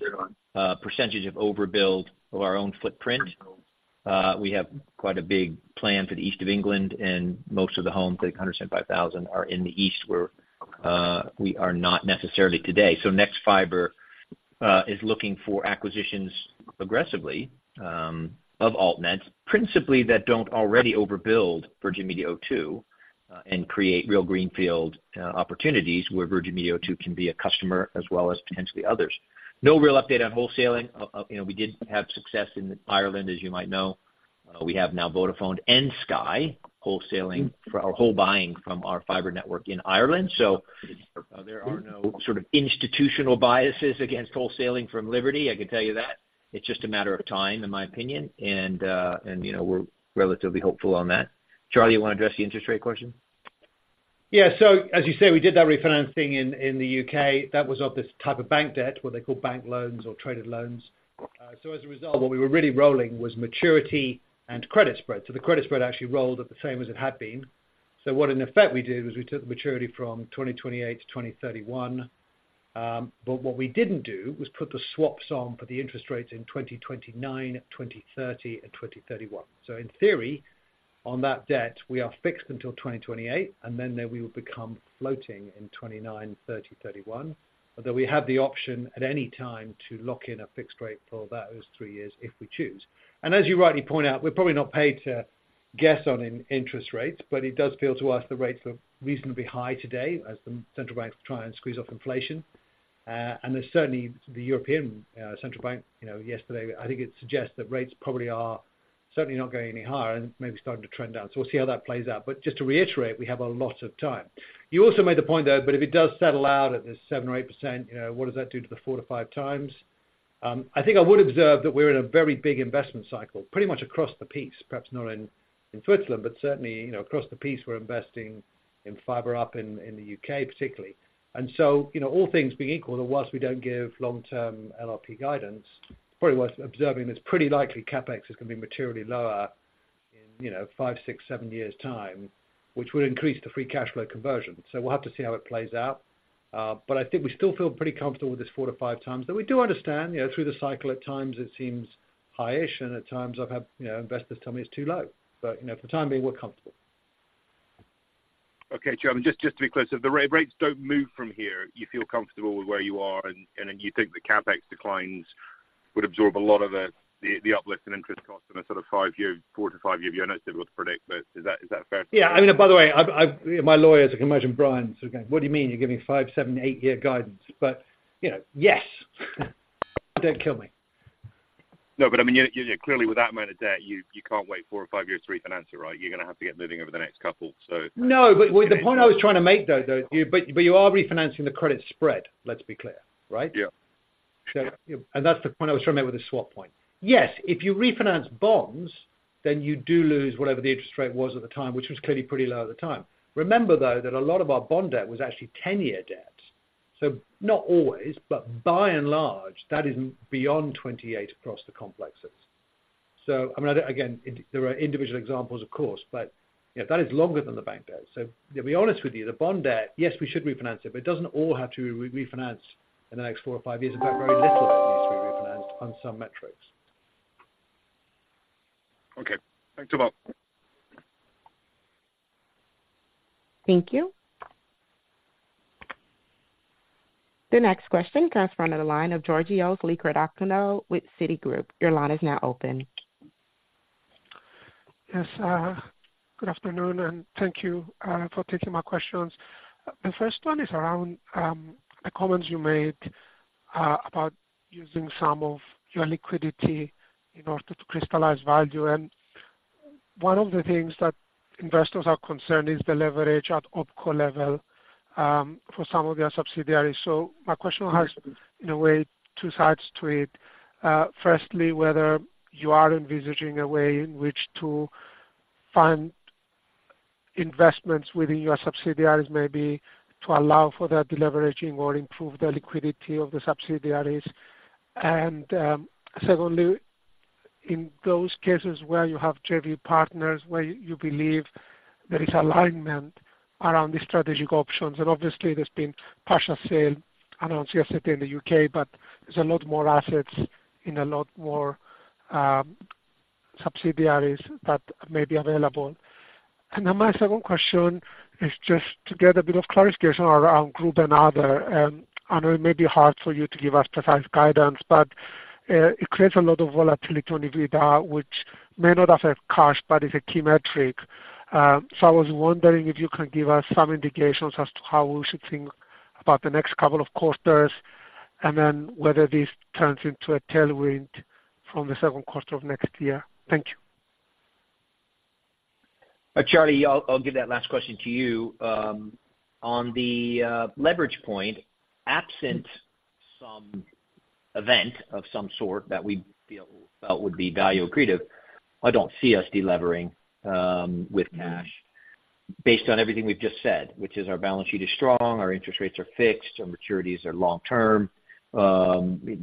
percentage of overbuild of our own footprint. We have quite a big plan for the East of England and most of the homes, I think 175,000, are in the east, where we are not necessarily today. So nexfibre is looking for acquisitions aggressively of altnets, principally that don't already overbuild Virgin Media O2 and create real greenfield opportunities where Virgin Media O2 can be a customer as well as potentially others. No real update on wholesaling. we did have success in Ireland, as you might know. We have now Vodafone and Sky wholesaling for- or whole buying from our fiber network in Ireland. So, there are no sort of institutional biases against wholesaling from Liberty, I can tell you that. It's just a matter of time, in my opinion, and, we're relatively hopeful on that. Charlie, you want to address the interest rate question? Yeah, so as you say, we did that refinancing in the UK. That was of this type of bank debt, what they call bank loans or traded loans. So as a result, what we were really rolling was maturity and credit spread. So the credit spread actually rolled at the same as it had been. So what in effect we did, was we took the maturity from 2028 to 2031. But what we didn't do was put the swaps on for the interest rates in 2029, 2030 and 2031. So in theory, on that debt, we are fixed until 2028, and then we will become floating in 2029, 2030, 2031. Although we have the option at any time to lock in a fixed rate for those three years if we choose. As you rightly point out, we're probably not paid to guess on interest rates, but it does feel to us the rates are reasonably high today, as the central banks try and squeeze off inflation. And there's certainly the European Central Bank, yesterday, I think it suggests that rates probably are certainly not going any higher and maybe starting to trend down. So we'll see how that plays out. But just to reiterate, we have a lot of time. You also made the point, though, but if it does settle out at this 7% or 8%, what does that do to the 4-5 times? I think I would observe that we're in a very big investment cycle, pretty much across the piece, perhaps not in Switzerland, but certainly, across the piece, we're investing in fiber Op in the UK particularly. And so, all things being equal, and while we don't give long-term LLP guidance, probably worth observing, it's pretty likely CapEx is gonna be materially lower 5, 6, 7 years' time, which would increase the free cash flow conversion. So we'll have to see how it plays out. But I think we still feel pretty comfortable with this 4-5 times. But we do understand, through the cycle, at times it seems high-ish, and at times I've had, investors tell me it's too low. But, for the time being, we're comfortable. Okay, Charlie, just to be clear, so if the rates don't move from here, you feel comfortable with where you are, and then you think the CapEx declines would absorb a lot of the uplift in interest cost in a sort of 5-year, 4- to 5-year view? I know it's difficult to predict, but is that fair? Yeah. I mean, by the way, I've my lawyer, as you can imagine, Brian, says, "What do you mean? You're giving 5, 7, 8-year guidance." But, yes. Don't kill me. No, but I mean, you clearly, with that amount of debt, you can't wait four or five years to refinance it, right? You're gonna have to get moving over the next couple, so- No, but the point I was trying to make, though, but you are refinancing the credit spread. Let's be clear, right? So, and that's the point I was trying to make with the swap point. Yes, if you refinance bonds, then you do lose whatever the interest rate was at the time, which was clearly pretty low at the time. Remember, though, that a lot of our bond debt was actually 10-year debt. So not always, but by and large, that is beyond 28 across the complexes. So I mean, again, there are individual examples, of course, but, that is longer than the bank debt. So to be honest with you, the bond debt, yes, we should refinance it, but it doesn't all have to re-refinance in the next 4 or 5 years. In fact, very little needs to be refinanced on some metrics. Okay. Thanks a lot. Thank you. The next question comes from the line of Georgios Ierodiaconou with Citigroup. Your line is now open. Yes, good afternoon, and thank you for taking my questions. The first one is around the comments you made about using some of your liquidity in order to crystallize value. And one of the things that investors are concerned is the leverage at OpCo level for some of their subsidiaries. So my question has, in a way, two sides to it. Firstly, whether you are envisaging a way in which to find investments within your subsidiaries, maybe to allow for the deleveraging or improve the liquidity of the subsidiaries. And secondly, in those cases where you have JV partners, where you believe there is alignment around the strategic options, and obviously there's been partial sale announced yesterday in the UK, but there's a lot more assets in a lot more subsidiaries that may be available. Then my second question is just to get a bit of clarification around group and other. I know it may be hard for you to give us precise guidance, but it creates a lot of volatility on EBITDA, which may not affect cash, but is a key metric. So I was wondering if you can give us some indications as to how we should think about the next couple of quarters, and then whether this turns into a tailwind from the second quarter of next year? Thank you. Charlie, I'll give that last question to you. On the leverage point, absent some event of some sort that we feel would be value accretive, I don't see us delevering with cash based on everything we've just said, which is our balance sheet is strong, our interest rates are fixed, our maturities are long term. We're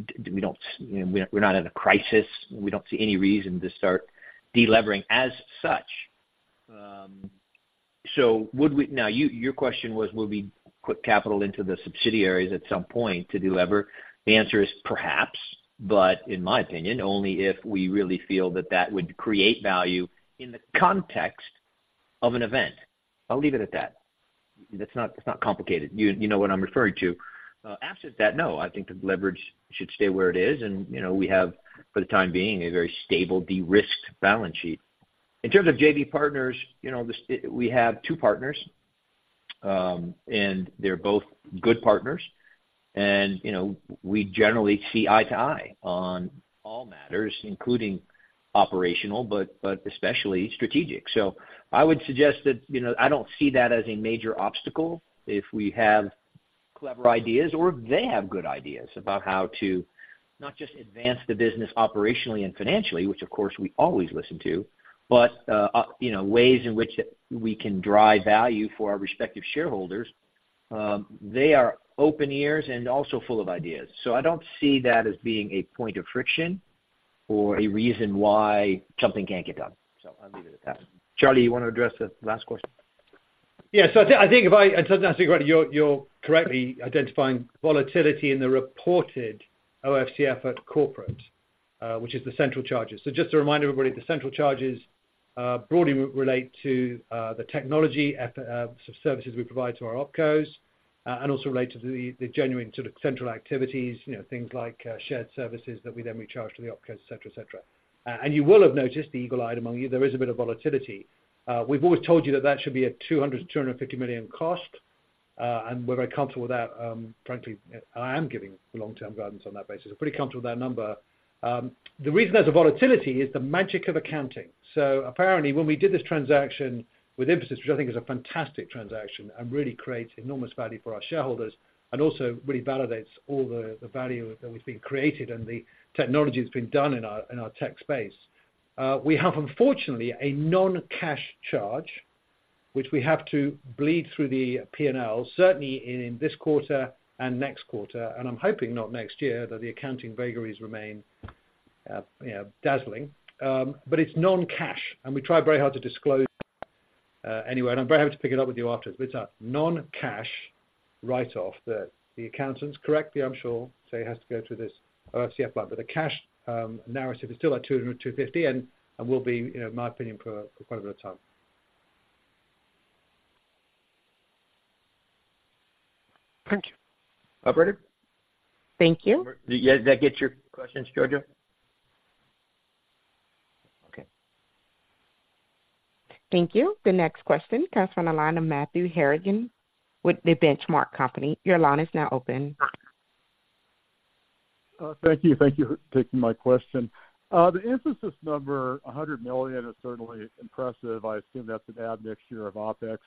not in a crisis. We don't see any reason to start delevering as such. So, now, your question was, will we put capital into the subsidiaries at some point to delever? The answer is perhaps, but in my opinion, only if we really feel that that would create value in the context of an event. I'll leave it at that. That's not complicated. You know what I'm referring to. Absent that, no, I think the leverage should stay where it is, and, we have, for the time being, a very stable, de-risked balance sheet. In terms of JV partners, We have two partners, and they're both good partners. And, we generally see eye to eye on all matters, including operational, but especially strategic. So I would suggest that, I don't see that as a major obstacle if we have clever ideas or if they have good ideas about how to not just advance the business operationally and financially, which of course, we always listen to, but, ways in which we can drive value for our respective shareholders. They are open ears and also full of ideas. So I don't see that as being a point of friction or a reason why something can't get done. So I'll leave it at that. Charlie, you want to address the last question? Yeah. So I think, and so you're correctly identifying volatility in the reported OFCF at corporate, which is the central charges. So just to remind everybody, the central charges broadly relate to the technology services we provide to our OpCos, and also relate to the genuine sort of central activities, things like shared services that we then recharge to the OpCos, et cetera, et cetera. And you will have noticed, the eagle-eyed among you, there is a bit of volatility. We've always told you that that should be a $200 million-$250 million cost, and we're very comfortable with that. Frankly, I am giving long-term guidance on that basis. I'm pretty comfortable with that number. The reason there's a volatility is the magic of accounting. So apparently, when we did this transaction with Emphasis, which I think is a fantastic transaction and really creates enormous value for our shareholders and also really validates all the, the value that has been created and the technology that's been done in our, in our tech space. We have, unfortunately, a non-cash charge which we have to bleed through the P&L, certainly in this quarter and next quarter, and I'm hoping not next year, that the accounting vagaries remain, dazzling. But it's non-cash, and we try very hard to disclose, anyway, and I'm very happy to pick it up with you afterwards. But it's a non-cash write-off that the accountants, correctly, I'm sure, say it has to go through this OCF line. But the cash narrative is still at $200-$250, and will be, in my opinion, for quite a bit of time. Thank you. Operator? Thank you. Yeah, did that get your questions, Georgia? Okay. Thank you. The next question comes from the line of Matthew Harrigan with the Benchmark Company. Your line is now open. Thank you. Thank you for taking my question. The Infosys number, $100 million, is certainly impressive. I assume that's an add mixture of OpEx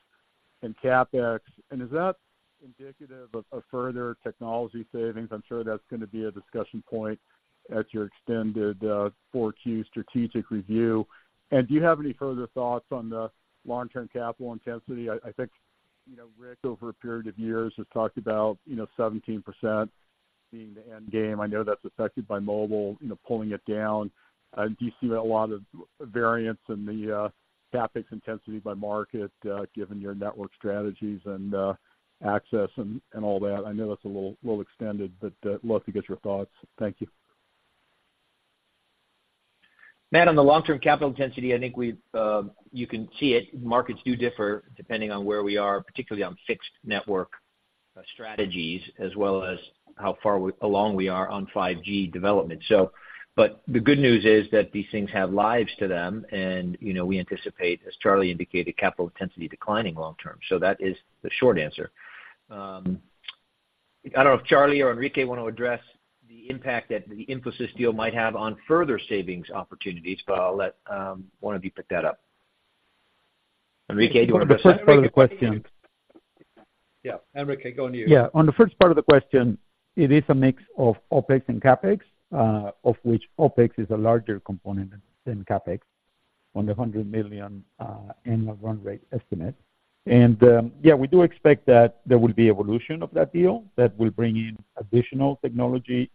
and CapEx. And is that indicative of further technology savings? I'm sure that's gonna be a discussion point at your extended 4 Q strategic review. And do you have any further thoughts on the long-term capital intensity? I think, Rick, over a period of years, has talked about, 17% being the end game. I know that's affected by mobile, pulling it down. Do you see a lot of variance in the CapEx intensity by market, given your network strategies and access and all that? I know that's a little extended, but love to get your thoughts? Thank you. Matt, on the long-term capital intensity, I think we've you can see it. Markets do differ depending on where we are, particularly on fixed network strategies, as well as how far we are on 5G development. But the good news is that these things have lives to them, and, we anticipate, as Charlie indicated, capital intensity declining long term. So that is the short answer. I don't know if Charlie or Enrique want to address the impact that the Infosys deal might have on further savings opportunities, but I'll let one of you pick that up. Enrique, do you want to- On the first part of the question. Yeah, Enrique, go on, you. Yeah, on the first part of the question, it is a mix of OpEx and CapEx, of which OpEx is a larger component than CapEx on the $100 million annual run rate estimate. And, yeah, we do expect that there will be evolution of that deal that will bring in additional technology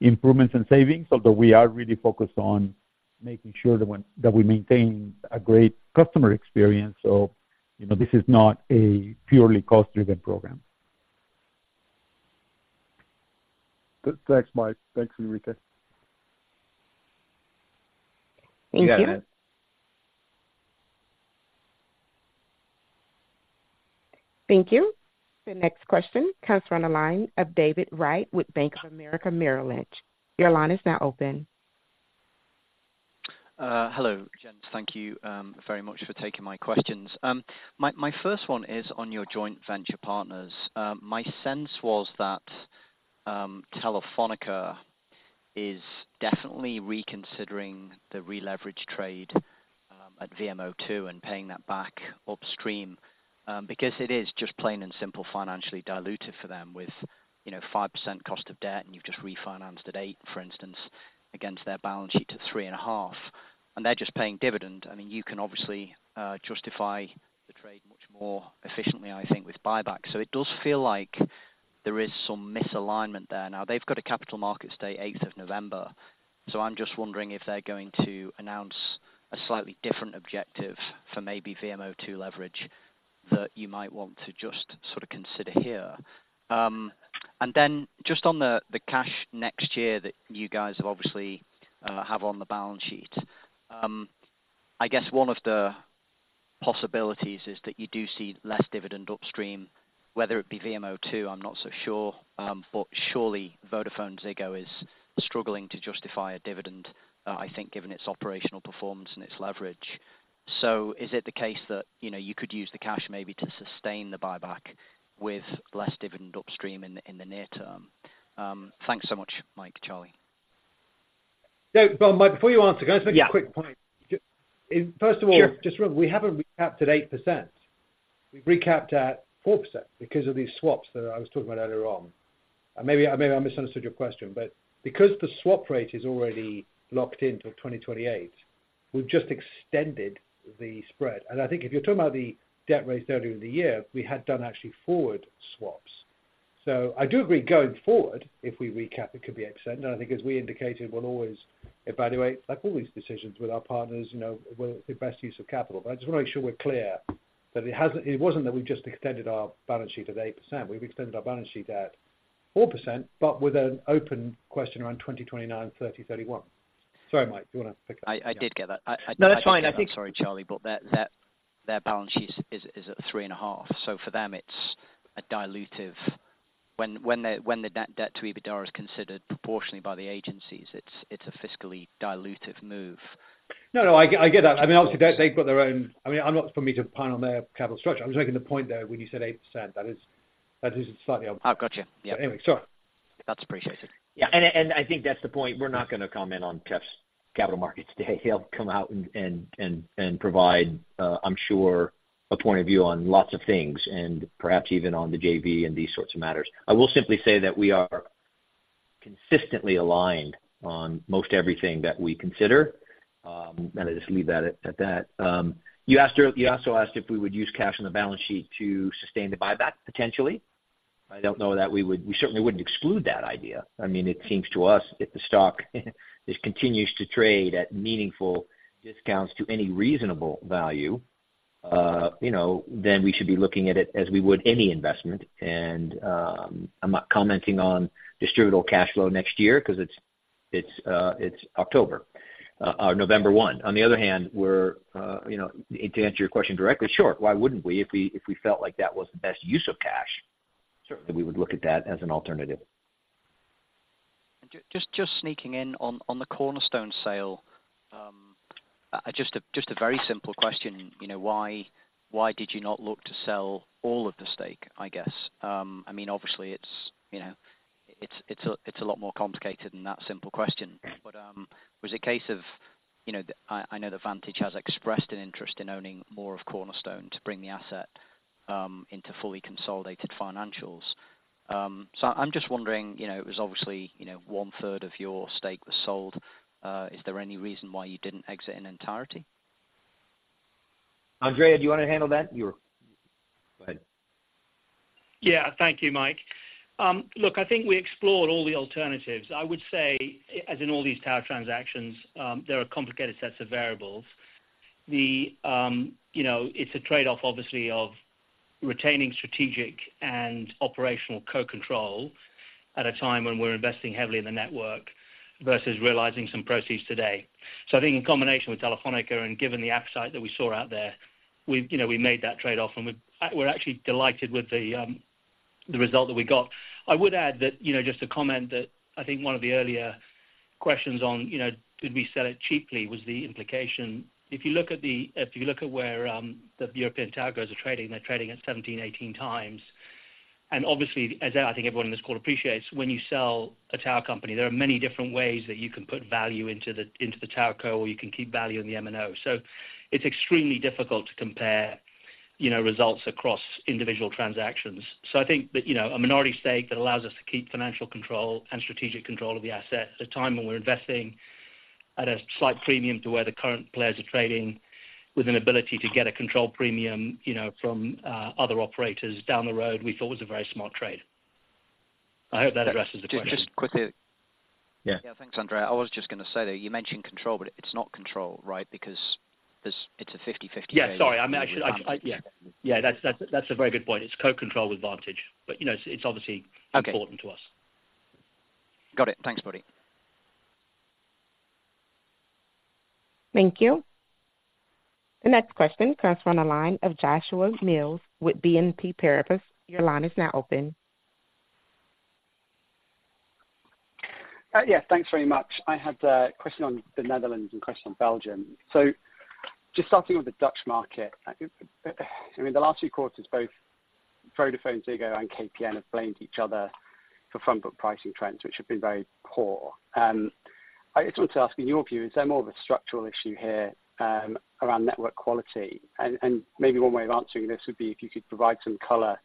improvements and savings, although we are really focused on making sure that we maintain a great customer experience. So, this is not a purely cost-driven program. Good. Thanks, Mike. Thanks, Enrique. Thank you. You got it. Thank you. The next question comes from the line of David Wright with Bank of America, Merrill Lynch. Your line is now open. Hello, gents. Thank you, very much for taking my questions. My first one is on your joint venture partners. My sense was that, Telefónica is definitely reconsidering the re-leverage trade, at VMO2 and paying that back upstream, because it is just plain and simple, financially diluted for them with, 5% cost of debt, and you've just refinanced at 8%, for instance, against their balance sheet to 3.5%, and they're just paying dividend. I mean, you can obviously, justify the trade much more efficiently, I think, with buyback. So it does feel like there is some misalignment there. Now, they've got a capital markets day, eighth of November, so I'm just wondering if they're going to announce a slightly different objective for maybe VMO2 leverage, that you might want to just sort of consider here. And then just on the cash next year that you guys obviously have on the balance sheet. I guess one of the possibilities is that you do see less dividend upstream, whether it be VMO2, I'm not so sure. But surely, VodafoneZiggo is struggling to justify a dividend, I think, given its operational performance and its leverage. So is it the case that, you could use the cash maybe to sustain the buyback with less dividend upstream in the near term? Thanks so much, Mike, Charlie. So, but Mike, before you answer- Yeah. Can I just make a quick point? Sure. First of all, just remember, we haven't recapped at 8%. We've recapped at 4% because of these swaps that I was talking about earlier on. Maybe, maybe I misunderstood your question, but because the swap rate is already locked in till 2028, we've just extended the spread. And I think if you're talking about the debt rates earlier in the year, we had done actually forward swaps. So I do agree, going forward, if we recap, it could be extended. And I think as we indicated, we'll always evaluate, like all these decisions with our partners, with the best use of capital. But I just wanna make sure we're clear that it wasn't that we've just extended our balance sheet at 8%. We've extended our balance sheet at 4%, but with an open question around 2029, 2030, 2031. Sorry, Mike, do you wanna pick it up? I did get that. No, it's fine. I'm sorry, Charlie, but their balance sheet is at 3.5. So for them, it's a dilutive. When the net debt to EBITDA is considered proportionally by the agencies, it's a fiscally dilutive move. No, no, I get, I get that. I mean, obviously, they've got their own - I mean, I'm not for me to opine on their capital structure. I'm just making the point, though, when you said 8%, that is, that is slightly - Oh, gotcha. Yeah. Anyway, sorry. That's appreciated. Yeah, I think that's the point. We're not gonna comment on TEF's capital markets today. He'll come out and provide, I'm sure, a point of view on lots of things, and perhaps even on the JV and these sorts of matters. I will simply say that we are consistently aligned on most everything that we consider. I just leave that at that. You also asked if we would use cash on the balance sheet to sustain the buyback potentially. I don't know that we would, we certainly wouldn't exclude that idea. I mean, it seems to us, if the stock just continues to trade at meaningful discounts to any reasonable value, then we should be looking at it as we would any investment. I'm not commenting on distributable cash flow next year, 'cause it's October or November one. On the other hand, we're, to answer your question directly, sure. Why wouldn't we? If we felt like that was the best use of cash, certainly we would look at that as an alternative. Just sneaking in on the Cornerstone sale. Just a very simple question. why did you not look to sell all of the stake, I guess? I mean, obviously it's, it's a lot more complicated than that simple question. But was it a case of, I know that Vantage has expressed an interest in owning more of Cornerstone to bring the asset into fully consolidated financials. So I'm just wondering, it was obviously, one third of your stake was sold. Is there any reason why you didn't exit in entirety? Andrea, do you wanna handle that? Go ahead. Yeah. Thank you, Mike. Look, I think we explored all the alternatives. I would say, as in all these tower transactions, there are complicated sets of variables. The, it's a trade-off, obviously, of retaining strategic and operational co-control at a time when we're investing heavily in the network, versus realizing some proceeds today. So I think in combination with Telefónica, and given the upside that we saw out there, we, we made that trade-off, and we're, we're actually delighted with the, the result that we got. I would add that, just to comment that I think one of the earlier questions on, did we sell it cheaply, was the implication. If you look at the. If you look at where, the European tower growers are trading, they're trading at 17, 18 times. Obviously, as I think everyone in this call appreciates, when you sell a tower company, there are many different ways that you can put value into the tower co, or you can keep value in the MNO. So it's extremely difficult to compare, results across individual transactions. So I think that, a minority stake that allows us to keep financial control and strategic control of the asset, at a time when we're investing at a slight premium to where the current players are trading, with an ability to get a control premium, from other operators down the road, we thought was a very smart trade. I hope that addresses the question. Just, just quickly. Yeah. Yeah. Thanks, Andrea. I was just gonna say, though, you mentioned control, but it's not control, right? Because there's, it's a 50/50- Yeah, sorry. I mean. Yeah. Yeah, that's, that's, that's a very good point. It's co-control with Vantage, but, it's obviously- Okay. - important to us. Got it. Thanks, buddy. Thank you. The next question comes from the line of Joshua Mills with BNP Paribas. Your line is now open. Yeah, thanks very much. I had a question on the Netherlands and question on Belgium. So just starting with the Dutch market, I mean, the last two quarters, both VodafoneZiggo and KPN have blamed each other for front book pricing trends, which have been very poor. I just want to ask, in your view, is there more of a structural issue here around network quality? And maybe one way of answering this would be if you could provide some color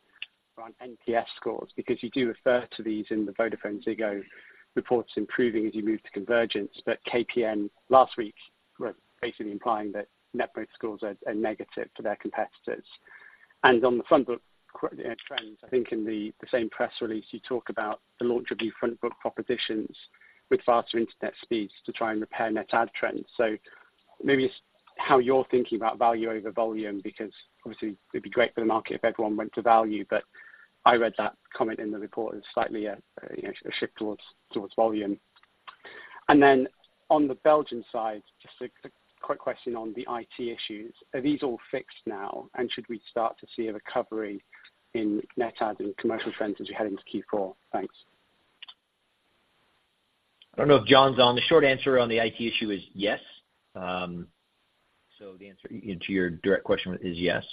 around NPS scores, because you do refer to these in the VodafoneZiggo reports improving as you move to convergence. But KPN last week were basically implying that net promoter scores are negative for their competitors? On the front book trends, I think in the same press release, you talk about the launch of new front book propositions with faster internet speeds to try and repair net add trends. So maybe it's how you're thinking about value over volume, because obviously it'd be great for the market if everyone went to value, but I read that comment in the report as slightly, a shift towards volume. And then on the Belgian side, just a quick question on the IT issues. Are these all fixed now? And should we start to see a recovery in net adds and commercial trends as we head into Q4? Thanks. I don't know if John's on. The short answer on the IT issue is yes. So the answer to your direct question is yes.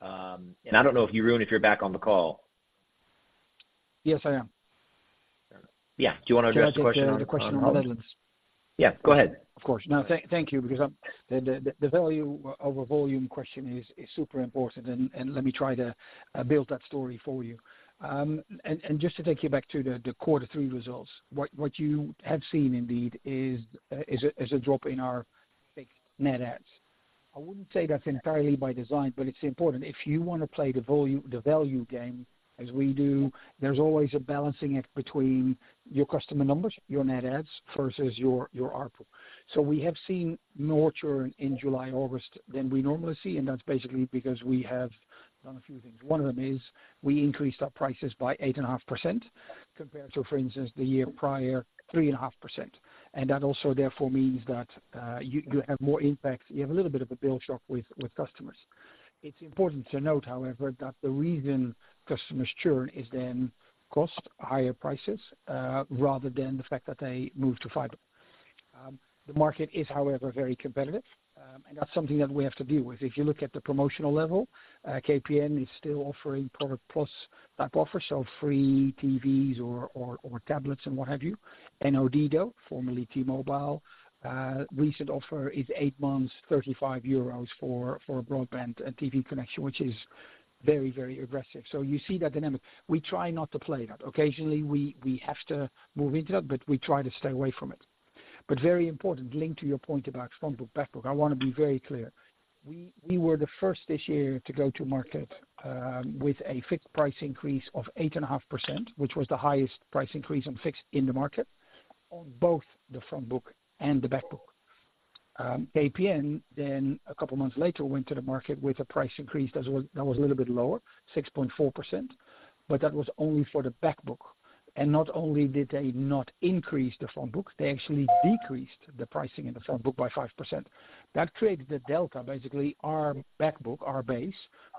And I don't know if you, Jeroen, if you're back on the call. Yes, I am. Yeah. Do you want to address the question on? Can I take the question on the Netherlands? Yeah, go ahead. Of course. Now, thank you, because the value over volume question is super important, and let me try to build that story for you. And just to take you back to the quarter three results, what you have seen indeed is a drop in our fixed net adds. I wouldn't say that's entirely by design, but it's important. If you want to play the value game, as we do, there's always a balancing act between your customer numbers, your net adds, versus your ARPU. So we have seen more churn in July, August than we normally see, and that's basically because we have done a few things. One of them is we increased our prices by 8.5%, compared to, for instance, the year prior, 3.5%. And that also therefore means that, you, you have more impact, you have a little bit of a bill shock with, with customers. It's important to note, however, that the reason customers churn is then cost, higher prices, rather than the fact that they move to fiber. The market is, however, very competitive, and that's something that we have to deal with. If you look at the promotional level, KPN is still offering product plus type offers, so free TVs or, or, or tablets and what have you. Odido, formerly T-Mobile, recent offer is 8 months, 35 euros for, for a broadband and TV connection, which is very, very aggressive. So you see that dynamic. We try not to play that. Occasionally, we, we have to move into that, but we try to stay away from it. But very important, linked to your point about front book, back book, I want to be very clear. We, we were the first this year to go to market with a fixed price increase of 8.5%, which was the highest price increase on fixed in the market, on both the front book and the back book. KPN, then a couple of months later, went to the market with a price increase that was, that was a little bit lower, 6.4%, but that was only for the back book. And not only did they not increase the front book, they actually decreased the pricing in the front book by 5%. That created the delta, basically, our back book, our base,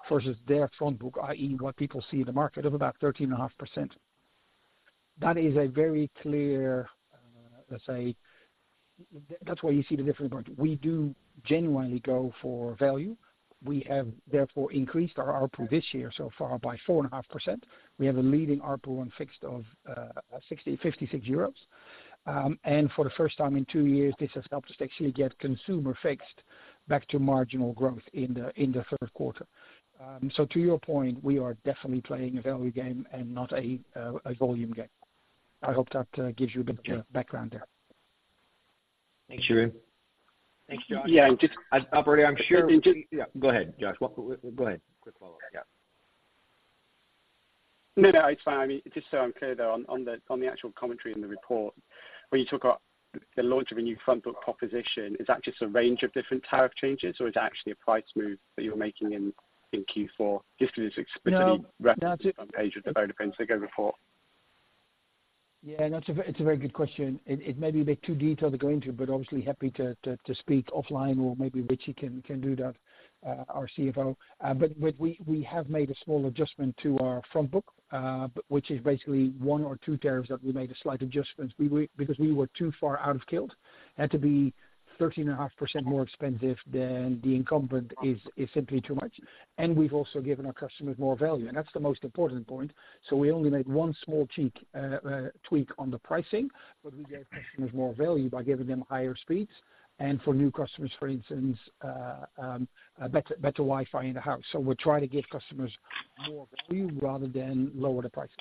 versus their front book, i.e., what people see in the market, of about 13.5%. That is a very clear, let's say, that's why you see the different point. We do genuinely go for value. We have, therefore, increased our ARPU this year so far by 4.5%. We have a leading ARPU on fixed of 56 euros. And for the first time in two years, this has helped us actually get consumer fixed back to marginal growth in the third quarter. So to your point, we are definitely playing a value game and not a volume game. I hope that gives you a bit of background there. Thanks, Jeroen. Thanks, Josh. Yeah, and just operating, I'm sure. Yeah, go ahead, Josh. Go ahead. Quick follow-up. Yeah. No, no, it's fine. I mean, just so I'm clear, though, on the actual commentary in the report, where you talk about the launch of a new front book proposition, is that just a range of different tariff changes, or is it actually a price move that you're making in Q4? Just because it's explicitly- No. - referenced on page of the Vodafone report. Yeah, that's a very, it's a very good question. It may be a bit too detailed to go into, but obviously happy to speak offline or maybe Ritchy can do that, our CFO. But we have made a small adjustment to our front book, which is basically one or two tariffs that we made a slight adjustment. Because we were too far out of kilter and to be 13.5% more expensive than the incumbent is simply too much. And we've also given our customers more value, and that's the most important point. So we only made one small cheeky tweak on the pricing, but we gave customers more value by giving them higher speeds and for new customers, for instance, better Wi-Fi in the house. We're trying to give customers more value rather than lower the prices.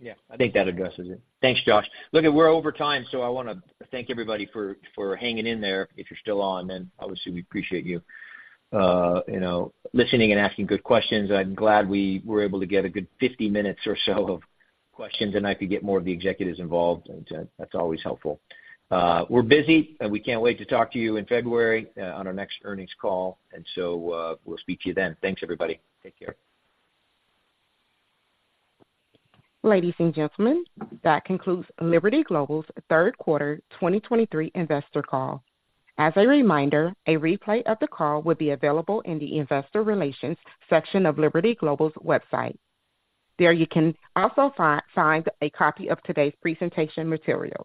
Yeah, I think that addresses it. Thanks, Josh. Look, we're over time, so I want to thank everybody for hanging in there. If you're still on, then obviously, we appreciate you, listening and asking good questions. I'm glad we were able to get a good 50 minutes or so of questions, and I could get more of the executives involved. That's always helpful. We're busy, and we can't wait to talk to you in February, on our next earnings call. And so, we'll speak to you then. Thanks, everybody. Take care. Ladies and gentlemen, that concludes Liberty Global's third quarter 2023 investor call. As a reminder, a replay of the call will be available in the investor relations section of Liberty Global's website. There you can also find a copy of today's presentation material.